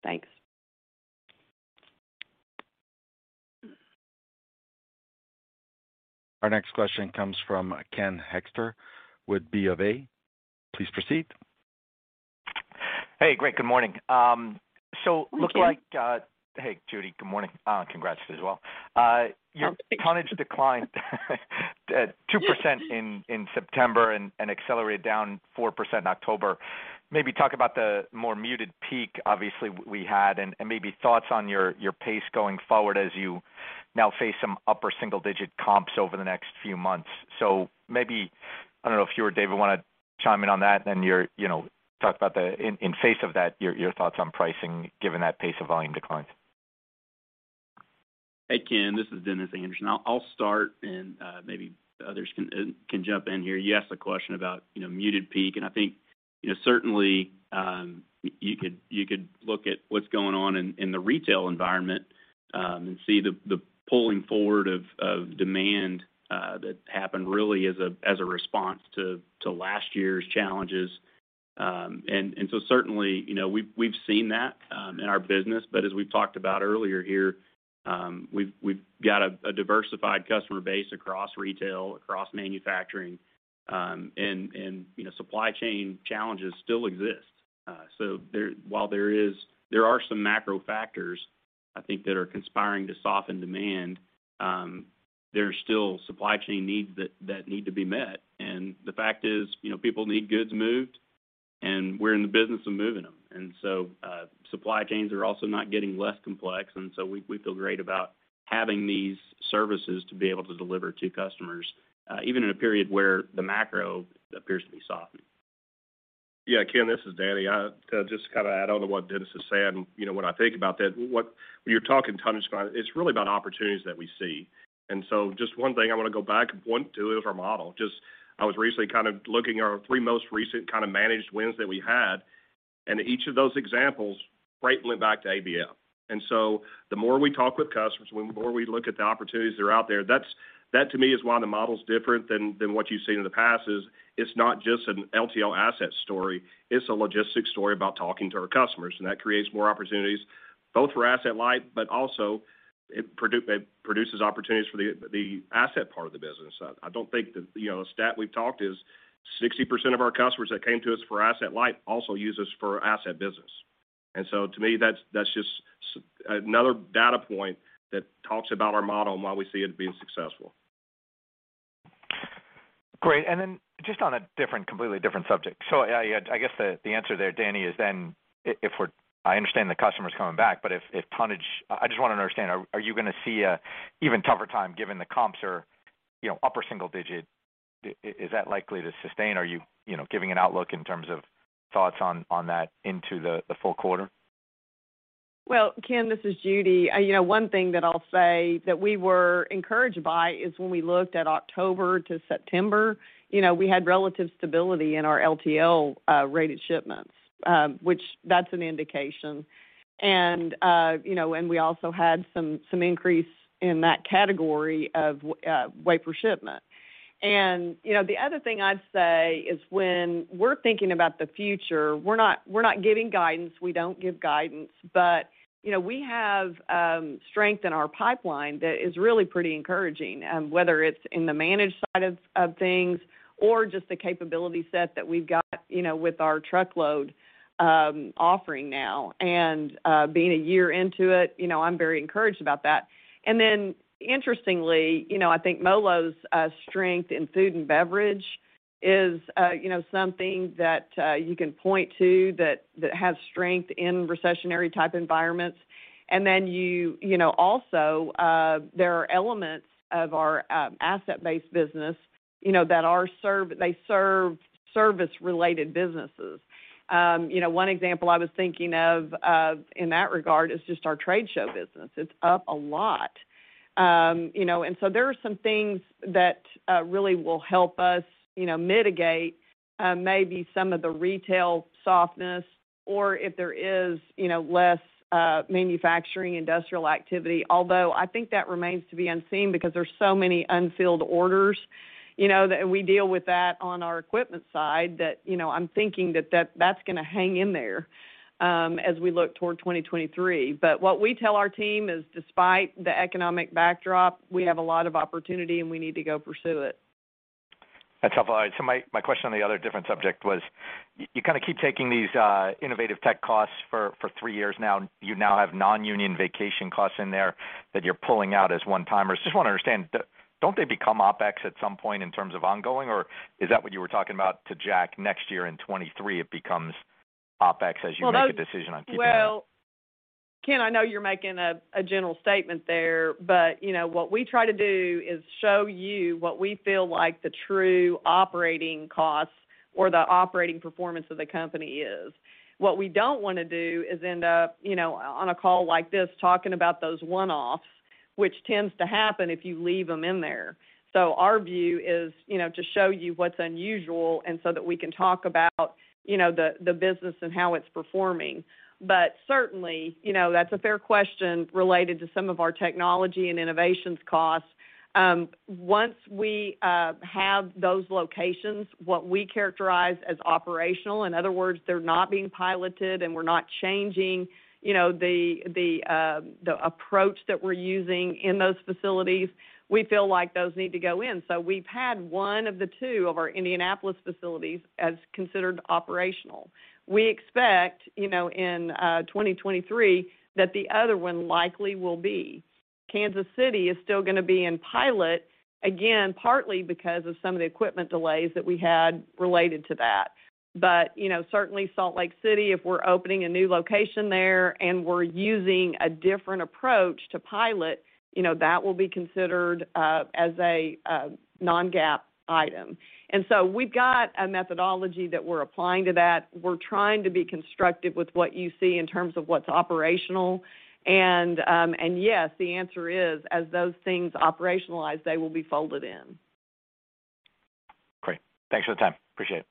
Thanks. Our next question comes from Ken Hoexter with BofA. Please proceed. Hey, great. Good morning. Hey, Ken. Hey, Judy. Good morning. Congrats as well. Your tonnage declined 2% in September and accelerated down 4% in October. Maybe talk about the more muted peak obviously we had and maybe thoughts on your pace going forward as you now face some upper single-digit comps over the next few months. Maybe I don't know if you or David want to chime in on that, and then you know talk about in face of that your thoughts on pricing given that pace of volume declines. Hey, Ken, this is Dennis Anderson. I'll start and maybe others can jump in here. You asked a question about, you know, muted peak, and I think, you know, certainly you could look at what's going on in the retail environment and see the pulling forward of demand that happened really as a response to last year's challenges. Certainly, you know, we've seen that in our business. As we've talked about earlier here, we've got a diversified customer base across retail, across manufacturing and, you know, supply chain challenges still exist. There are some macro factors, I think, that are conspiring to soften demand, there's still supply chain needs that need to be met. The fact is, you know, people need goods moved, and we're in the business of moving them. So, supply chains are also not getting less complex, and so we feel great about having these services to be able to deliver to customers, even in a period where the macro appears to be softening. Yeah, Ken, this is Danny. I just to kind of add on to what Dennis is saying, you know, when I think about that, what you're talking about tonnage, it's really about opportunities that we see. Just one thing I want to go back and point to is our model. Just, I was recently kind of looking at our three most recent kind of managed wins that we had, and each of those examples right went back to ABF. The more we talk with customers, the more we look at the opportunities that are out there, that's, to me, is why the model is different than what you've seen in the past. It's not just an LTL asset story, it's a logistics story about talking to our customers, and that creates more opportunities both for asset light, but also it produces opportunities for the asset part of the business. I don't think that, you know, a stat we've talked is 60% of our customers that came to us for asset light also use us for asset business. To me, that's just another data point that talks about our model and why we see it being successful. Great. Just on a different, completely different subject. I guess the answer there, Danny, is then I understand the customers coming back, but if tonnage. I just want to understand, are you going to see a even tougher time given the comps are, you know, upper single digit? Is that likely to sustain? Are you know, giving an outlook in terms of thoughts on that into the full quarter? Well, Ken, this is Judy. You know, one thing that I'll say that we were encouraged by is when we looked at October to September, you know, we had relative stability in our LTL rated shipments, which that's an indication. You know, and we also had some increase in that category of weight per shipment. You know, the other thing I'd say is when we're thinking about the future, we're not giving guidance. We don't give guidance. You know, we have strength in our pipeline that is really pretty encouraging, whether it's in the managed side of things or just the capability set that we've got, you know, with our truckload offering now. Being a year into it, you know, I'm very encouraged about that. Interestingly, you know, I think MoLo's strength in food and beverage is, you know, something that you can point to that has strength in recessionary type environments. You know, also, there are elements of our asset-based business, you know, that they serve service-related businesses. You know, one example I was thinking of in that regard is just our trade show business. It's up a lot. You know, there are some things that really will help us, you know, mitigate maybe some of the retail softness or if there is, you know, less manufacturing industrial activity. Although I think that remains to be unseen because there's so many unfilled orders, you know, that we deal with that on our equipment side, that, you know, I'm thinking that that's going to hang in there, as we look toward 2023. What we tell our team is, despite the economic backdrop, we have a lot of opportunity and we need to go pursue it. That's helpful. My question on the other different subject was you kind of keep taking these innovative tech costs for three years now. You now have non-union vacation costs in there that you're pulling out as one-timers. Just want to understand, don't they become OpEx at some point in terms of ongoing, or is that what you were talking about to Jack next year in 2023 it becomes OpEx as you make a decision on keeping them? Well, Ken, I know you're making a general statement there, but you know, what we try to do is show you what we feel like the true operating costs or the operating performance of the company is. What we don't want to do is end up, you know, on a call like this talking about those one-offs, which tends to happen if you leave them in there. Our view is, you know, to show you what's unusual and so that we can talk about, you know, the business and how it's performing. But certainly, you know, that's a fair question related to some of our technology and innovations costs. Once we have those locations, what we characterize as operational, in other words, they're not being piloted, and we're not changing, you know, the approach that we're using in those facilities, we feel like those need to go in. We've had one of the two of our Indianapolis facilities considered operational. We expect, you know, in 2023 that the other one likely will be. Kansas City is still going to be in pilot again, partly because of some of the equipment delays that we had related to that. You know, certainly Salt Lake City, if we're opening a new location there and we're using a different approach to pilot, you know, that will be considered as a non-GAAP item. We've got a methodology that we're applying to that. We're trying to be constructive with what you see in terms of what's operational. Yes, the answer is, as those things operationalize, they will be folded in. Great. Thanks for the time. Appreciate it.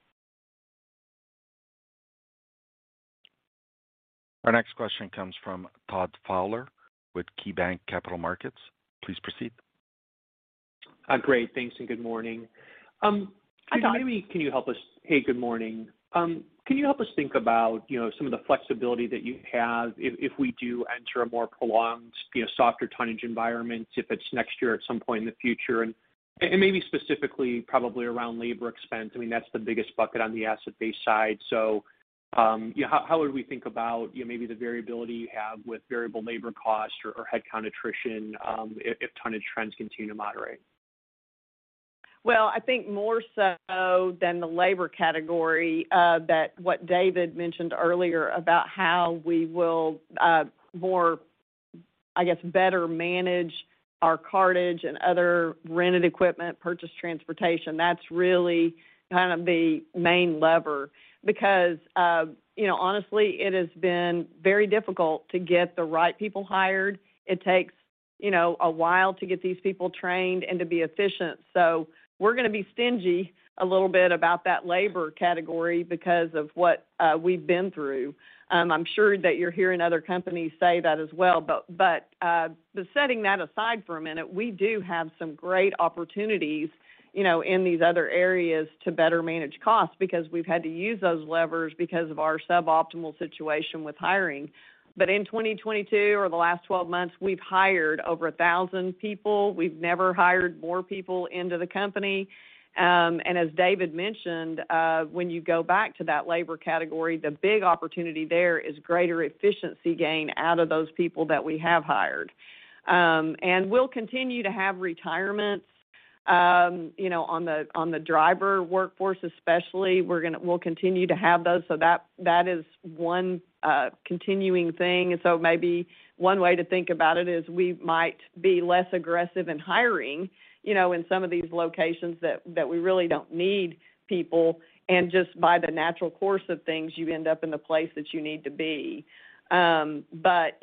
Our next question comes from Todd Fowler with KeyBanc Capital Markets. Please proceed. Great. Thanks, and good morning. Hi, Todd. Hey, good morning. Can you help us think about, you know, some of the flexibility that you have if we do enter a more prolonged, you know, softer tonnage environment, if it's next year at some point in the future, and maybe specifically probably around labor expense. I mean, that's the biggest bucket on the asset-based side. So, how would we think about, you know, maybe the variability you have with variable labor cost or headcount attrition, if tonnage trends continue to moderate? Well, I think more so than the labor category, than what David mentioned earlier about how we will, more I guess better manage our cartage and other rented equipment, purchase transportation. That's really kind of the main lever because you know, honestly, it has been very difficult to get the right people hired. It takes you know, a while to get these people trained and to be efficient. We're gonna be stingy a little bit about that labor category because of what we've been through. I'm sure that you're hearing other companies say that as well. Setting that aside for a minute, we do have some great opportunities you know, in these other areas to better manage costs because we've had to use those levers because of our suboptimal situation with hiring. In 2022 or the last 12 months, we've hired over 1,000 people. We've never hired more people into the company. As David mentioned, when you go back to that labor category, the big opportunity there is greater efficiency gain out of those people that we have hired. We'll continue to have retirements, you know, on the driver workforce especially. We'll continue to have those, so that is one continuing thing. Maybe one way to think about it is we might be less aggressive in hiring, you know, in some of these locations that we really don't need people, and just by the natural course of things, you end up in the place that you need to be. You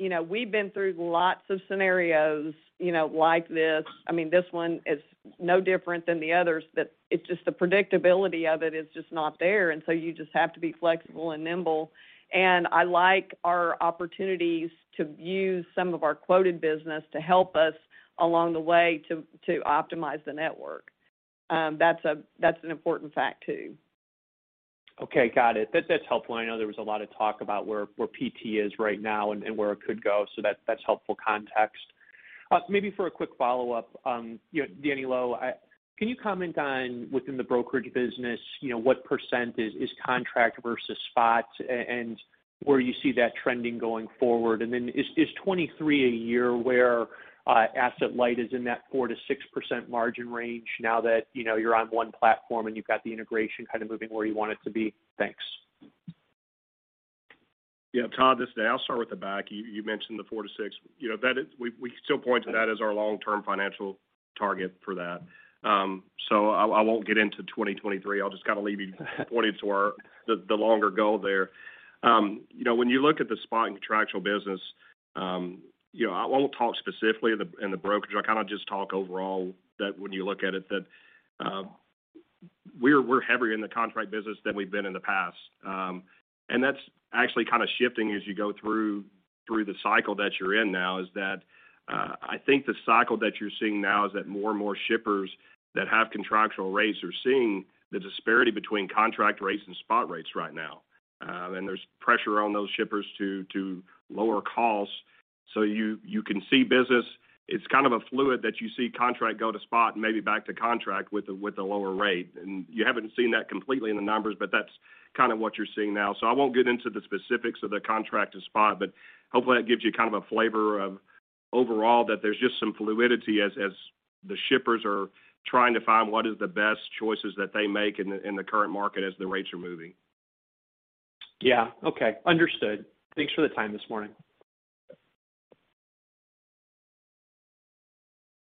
know, we've been through lots of scenarios, you know, like this. I mean, this one is no different than the others, but it's just the predictability of it is just not there. You just have to be flexible and nimble. I like our opportunities to use some of our quoted business to help us along the way to optimize the network. That's an important fact too. Okay, got it. That's helpful. I know there was a lot of talk about where PT is right now and where it could go, so that's helpful context. Maybe for a quick follow-up, you know, Danny Loe, can you comment on within the brokerage business, you know, what percent is contract versus spot and where you see that trending going forward? And then is 2023 a year where asset light is in that 4%-6% margin range now that you know you're on one platform and you've got the integration kind of moving where you want it to be? Thanks. Yeah, Todd, this is Danny. I'll start with the back. You mentioned the 4%-6%. You know, that is we still point to that as our long-term financial target for that. I won't get into 2023. I'll just kind of leave you pointed to our the longer goal there. You know, when you look at the spot and contractual business, you know, I won't talk specifically in the brokerage. I'll kind of just talk overall that when you look at it that, we're heavier in the contract business than we've been in the past. That's actually kind of shifting as you go through the cycle that you're in now. I think the cycle that you're seeing now is that more and more shippers that have contractual rates are seeing the disparity between contract rates and spot rates right now. There's pressure on those shippers to lower costs. You can see business. It's kind of a fluid that you see contract go to spot and maybe back to contract with a lower rate. You haven't seen that completely in the numbers, but that's kind of what you're seeing now. I won't get into the specifics of the contract to spot, but hopefully that gives you kind of a flavor of overall that there's just some fluidity as the shippers are trying to find what is the best choices that they make in the, in the current market as the rates are moving. Yeah. Okay. Understood. Thanks for the time this morning.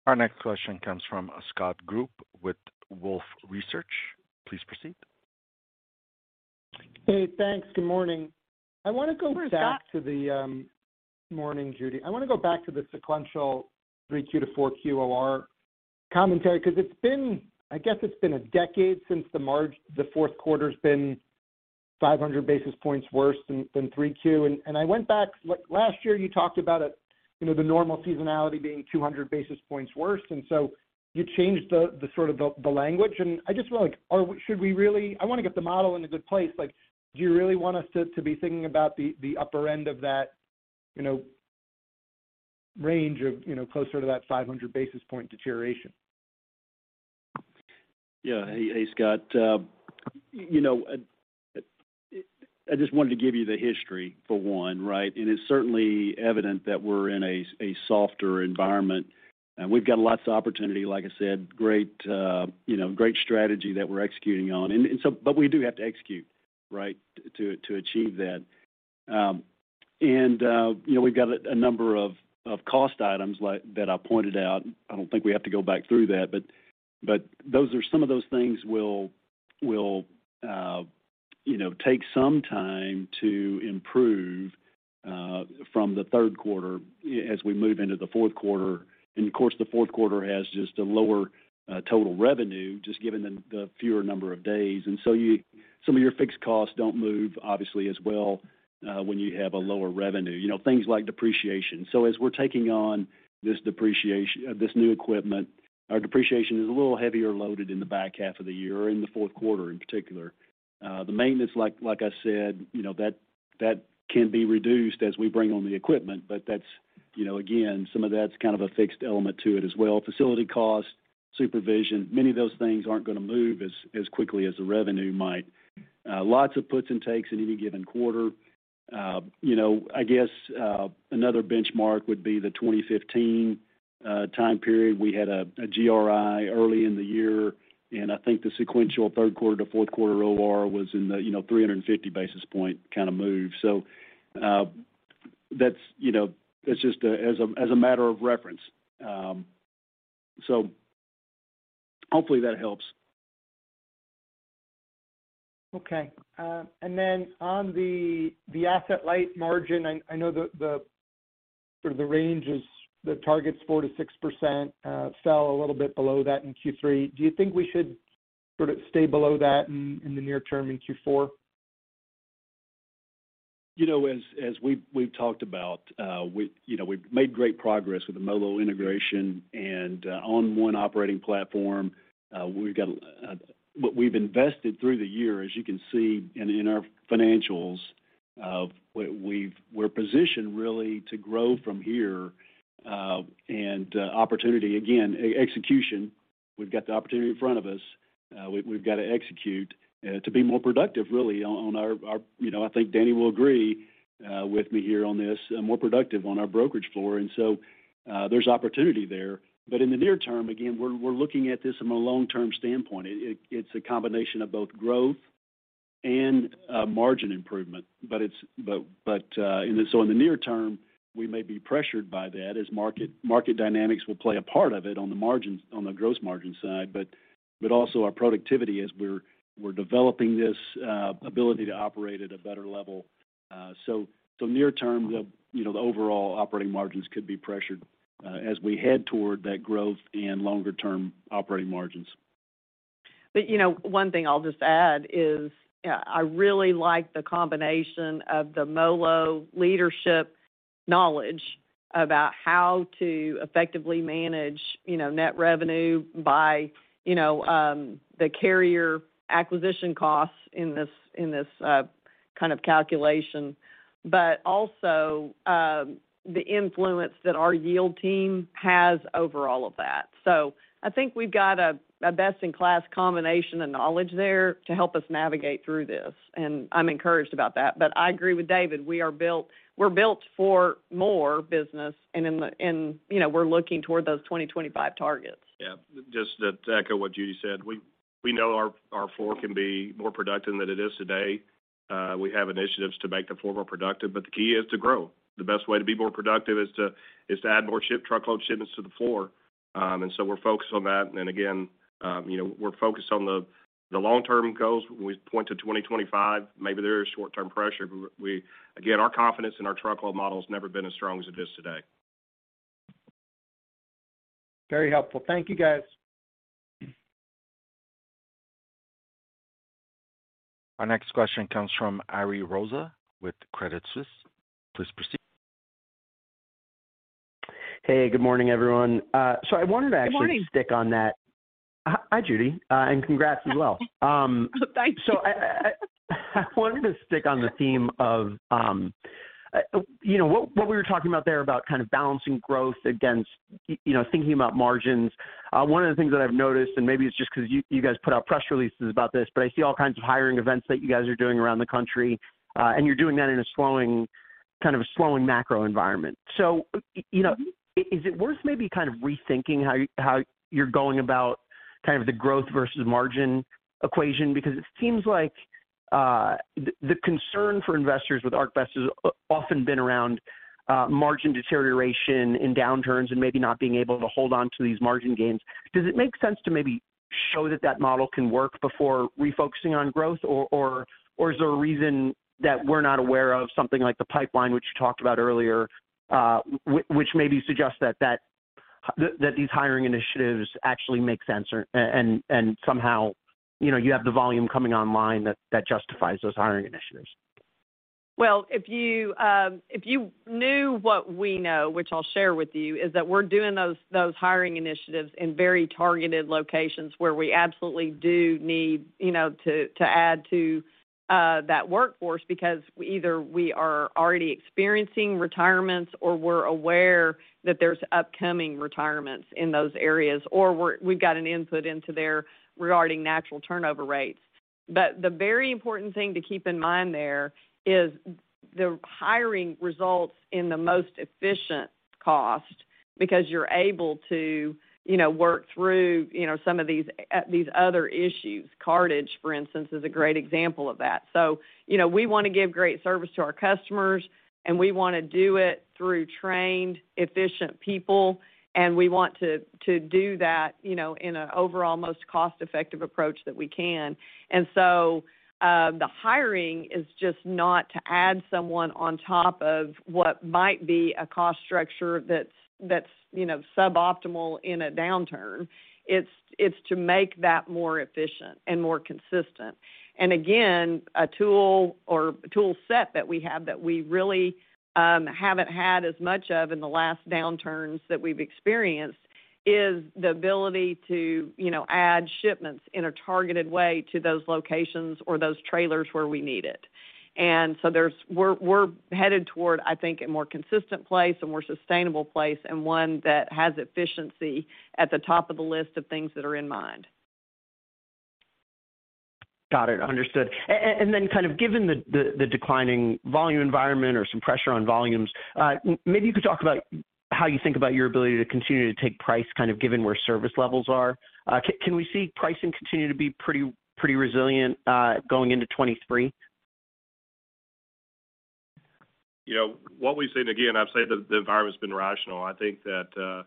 Our next question comes from Scott Group with Wolfe Research. Please proceed. Hey, thanks. Good morning. Where is Scott? Morning, Judy. I want to go back to the sequential Q4 to Q4 OR commentary because I guess it's been a decade since the fourth quarter's been 500 basis points worse than Q3. I went back. Like last year you talked about it, you know, the normal seasonality being 200 basis points worse, and so you changed the sort of the language. I just feel like should we really. I want to get the model in a good place. Like, do you really want us to be thinking about the upper end of that, you know, range of, you know, closer to that 500 basis point deterioration? Yeah. Hey, Scott. You know, I just wanted to give you the history for one, right? It is certainly evident that we're in a softer environment, and we've got lots of opportunity, like I said, great strategy that we're executing on. But we do have to execute, right, to achieve that. You know, we've got a number of cost items like that I pointed out. I don't think we have to go back through that, but those are some of those things we'll take some time to improve from the third quarter as we move into the fourth quarter. Of course, the fourth quarter has just a lower total revenue, just given the fewer number of days. Some of your fixed costs don't move obviously as well when you have a lower revenue, you know, things like depreciation. As we're taking on this new equipment, our depreciation is a little heavier loaded in the back half of the year or in the fourth quarter in particular. The maintenance, like I said, you know, that can be reduced as we bring on the equipment. That's, you know, again, some of that's kind of a fixed element to it as well. Facility cost, supervision, many of those things aren't going to move as quickly as the revenue might. Lots of puts and takes in any given quarter. You know, I guess another benchmark would be the 2015 time period. We had a GRI early in the year, and I think the sequential third quarter to fourth quarter OR was in the you know 350 basis point kind of move. That's you know just as a matter of reference. Hopefully that helps. Okay. On the asset-light margin, I know the sort of range is the target is 4%-6%, fell a little bit below that in Q3. Do you think we should sort of stay below that in the near term in Q4? You know, as we've talked about, you know, we've made great progress with the MoLo integration and on one operating platform, we've got what we've invested through the year, as you can see in our financials, we're positioned really to grow from here and opportunity again, execution. We've got the opportunity in front of us. We've got to execute to be more productive really on our, you know, I think Danny will agree with me here on this, more productive on our brokerage floor. There's opportunity there. But in the near term, again, we're looking at this from a long-term standpoint. It's a combination of both growth and margin improvement. In the near term, we may be pressured by that as market dynamics will play a part of it on the margins, on the gross margin side. Also our productivity as we're developing this ability to operate at a better level. Near term, you know, the overall operating margins could be pressured as we head toward that growth and longer term operating margins. You know, one thing I'll just add is I really like the combination of the MoLo leadership knowledge about how to effectively manage, you know, net revenue by, you know, the carrier acquisition costs in this kind of calculation, but also the influence that our yield team has over all of that. I think we've got a best-in-class combination of knowledge there to help us navigate through this, and I'm encouraged about that. I agree with David, we're built for more business, and, you know, we're looking toward those 2025 targets. Yeah. Just to echo what Judy said, we know our floor can be more productive than it is today. We have initiatives to make the floor more productive, but the key is to grow. The best way to be more productive is to add more ship truckload shipments to the floor. So we're focused on that. Again, you know, we're focused on the long-term goals. We point to 2025, maybe there is short-term pressure, but again, our confidence in our truckload model has never been as strong as it is today. Very helpful. Thank you, guys. Our next question comes from Ariel Rosa with Credit Suisse. Please proceed. Hey, good morning, everyone. I wanted to actually. Good morning. Stick on that. Hi, Judy, and congrats as well. Thank you. I wanted to stick on the theme of, you know, what we were talking about there about kind of balancing growth against, you know, thinking about margins. One of the things that I've noticed, and maybe it's just 'cause you guys put out press releases about this, but I see all kinds of hiring events that you guys are doing around the country, and you're doing that in a slowing macro environment. You know, is it worth maybe kind of rethinking how you're going about kind of the growth versus margin equation? Because it seems like, the concern for investors with ArcBest has often been around, margin deterioration in downturns and maybe not being able to hold on to these margin gains. Does it make sense to maybe show that that model can work before refocusing on growth? Or is there a reason that we're not aware of something like the pipeline, which you talked about earlier, which maybe suggests that these hiring initiatives actually make sense or. Somehow, you know, you have the volume coming online that justifies those hiring initiatives. Well, if you, if you knew what we know, which I'll share with you, is that we're doing those hiring initiatives in very targeted locations where we absolutely do need, you know, to add to that workforce because either we are already experiencing retirements or we're aware that there's upcoming retirements in those areas, or we've got an input into that regarding natural turnover rates. The very important thing to keep in mind there is the hiring results in the most efficient cost because you're able to, you know, work through, you know, some of these other issues. Cartage, for instance, is a great example of that. You know, we want to give great service to our customers, and we want to do it through trained, efficient people, and we want to do that, you know, in an overall most cost-effective approach that we can. The hiring is just not to add someone on top of what might be a cost structure that's, you know, suboptimal in a downturn. It's to make that more efficient and more consistent. Again, a tool or tool set that we have that we really haven't had as much of in the last downturns that we've experienced is the ability to, you know, add shipments in a targeted way to those locations or those trailers where we need it. We're headed toward, I think, a more consistent place, a more sustainable place, and one that has efficiency at the top of the list of things that are in mind. Got it. Understood. Kind of given the declining volume environment or some pressure on volumes, maybe you could talk about how you think about your ability to continue to take price, kind of given where service levels are. Can we see pricing continue to be pretty resilient, going into 2023? You know, what we've seen, again, I've said that the environment has been rational. I think that,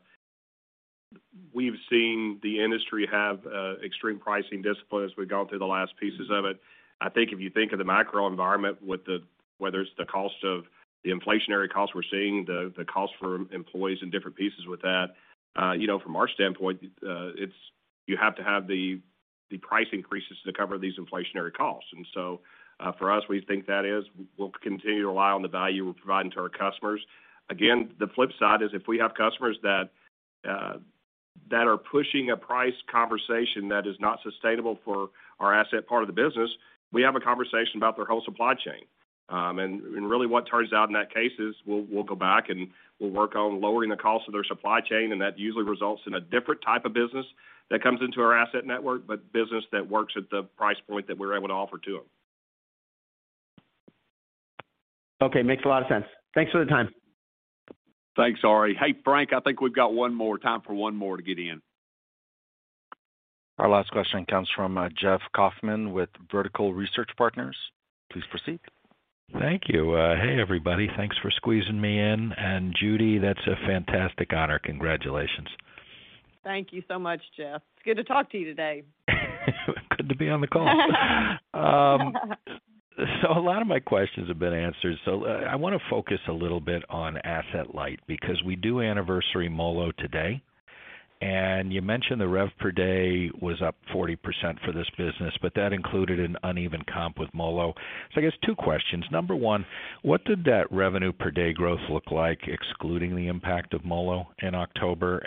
we've seen the industry have extreme pricing discipline as we've gone through the last pieces of it. I think if you think of the macro environment whether it's the cost of the inflationary costs, we're seeing the cost for employees and different pieces with that. You know, from our standpoint, it's you have to have the price increases to cover these inflationary costs. For us, we think that is we'll continue to rely on the value we're providing to our customers. Again, the flip side is if we have customers that are pushing a price conversation that is not sustainable for our asset part of the business, we have a conversation about their whole supply chain. Really, what turns out in that case is we'll go back and we'll work on lowering the cost of their supply chain, and that usually results in a different type of business that comes into our asset network, but business that works at the price point that we're able to offer to them. Okay. Makes a lot of sense. Thanks for the time. Thanks, Ariel. Hey, Frank, I think we've got one more. Time for one more to get in. Our last question comes from, Jeff Kauffman with Vertical Research Partners. Please proceed. Thank you. Hey, everybody. Thanks for squeezing me in. Judy, that's a fantastic honor. Congratulations. Thank you so much, Jeff. It's good to talk to you today. Good to be on the call. A lot of my questions have been answered. I want to focus a little bit on Asset-Light because we do anniversary MoLo today. You mentioned the rev per day was up 40% for this business, but that included an uneven comp with MoLo. I guess two questions. Number one, what did that revenue per day growth look like, excluding the impact of MoLo in October?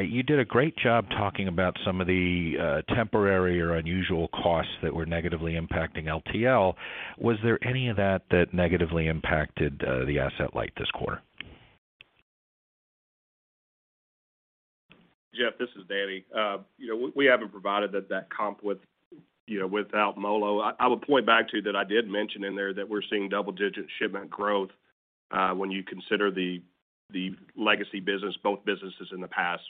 You did a great job talking about some of the temporary or unusual costs that were negatively impacting LTL. Was there any of that negatively impacted the Asset-Light this quarter? Jeff, this is Danny. You know, we haven't provided that comp with, you know, without MoLo. I would point back to that I did mention in there that we're seeing double-digit shipment growth when you consider the legacy business, both businesses in the past.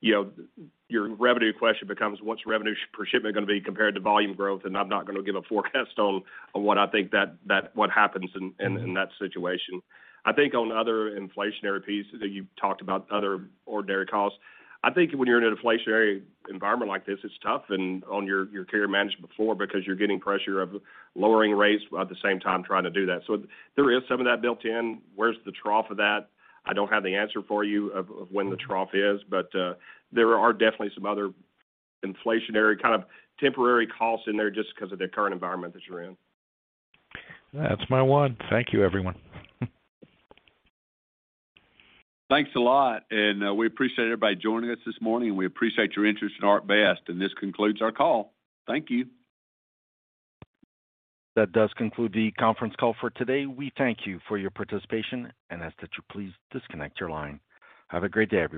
You know, your revenue question becomes what's revenue per shipment going to be compared to volume growth? I'm not going to give a forecast on what I think that what happens in that situation. I think on other inflationary pieces that you talked about, other ordinary costs, I think when you're in an inflationary environment like this, it's tough and on your carrier management floor because you're getting pressure of lowering rates at the same time trying to do that. There is some of that built in. Where's the trough of that? I don't have the answer for you of when the trough is, but there are definitely some other inflationary kind of temporary costs in there just 'cause of the current environment that you're in. That's my one. Thank you, everyone. Thanks a lot, and we appreciate everybody joining us this morning. We appreciate your interest in ArcBest, and this concludes our call. Thank you. That does conclude the conference call for today. We thank you for your participation and ask that you please disconnect your line. Have a great day, everyone.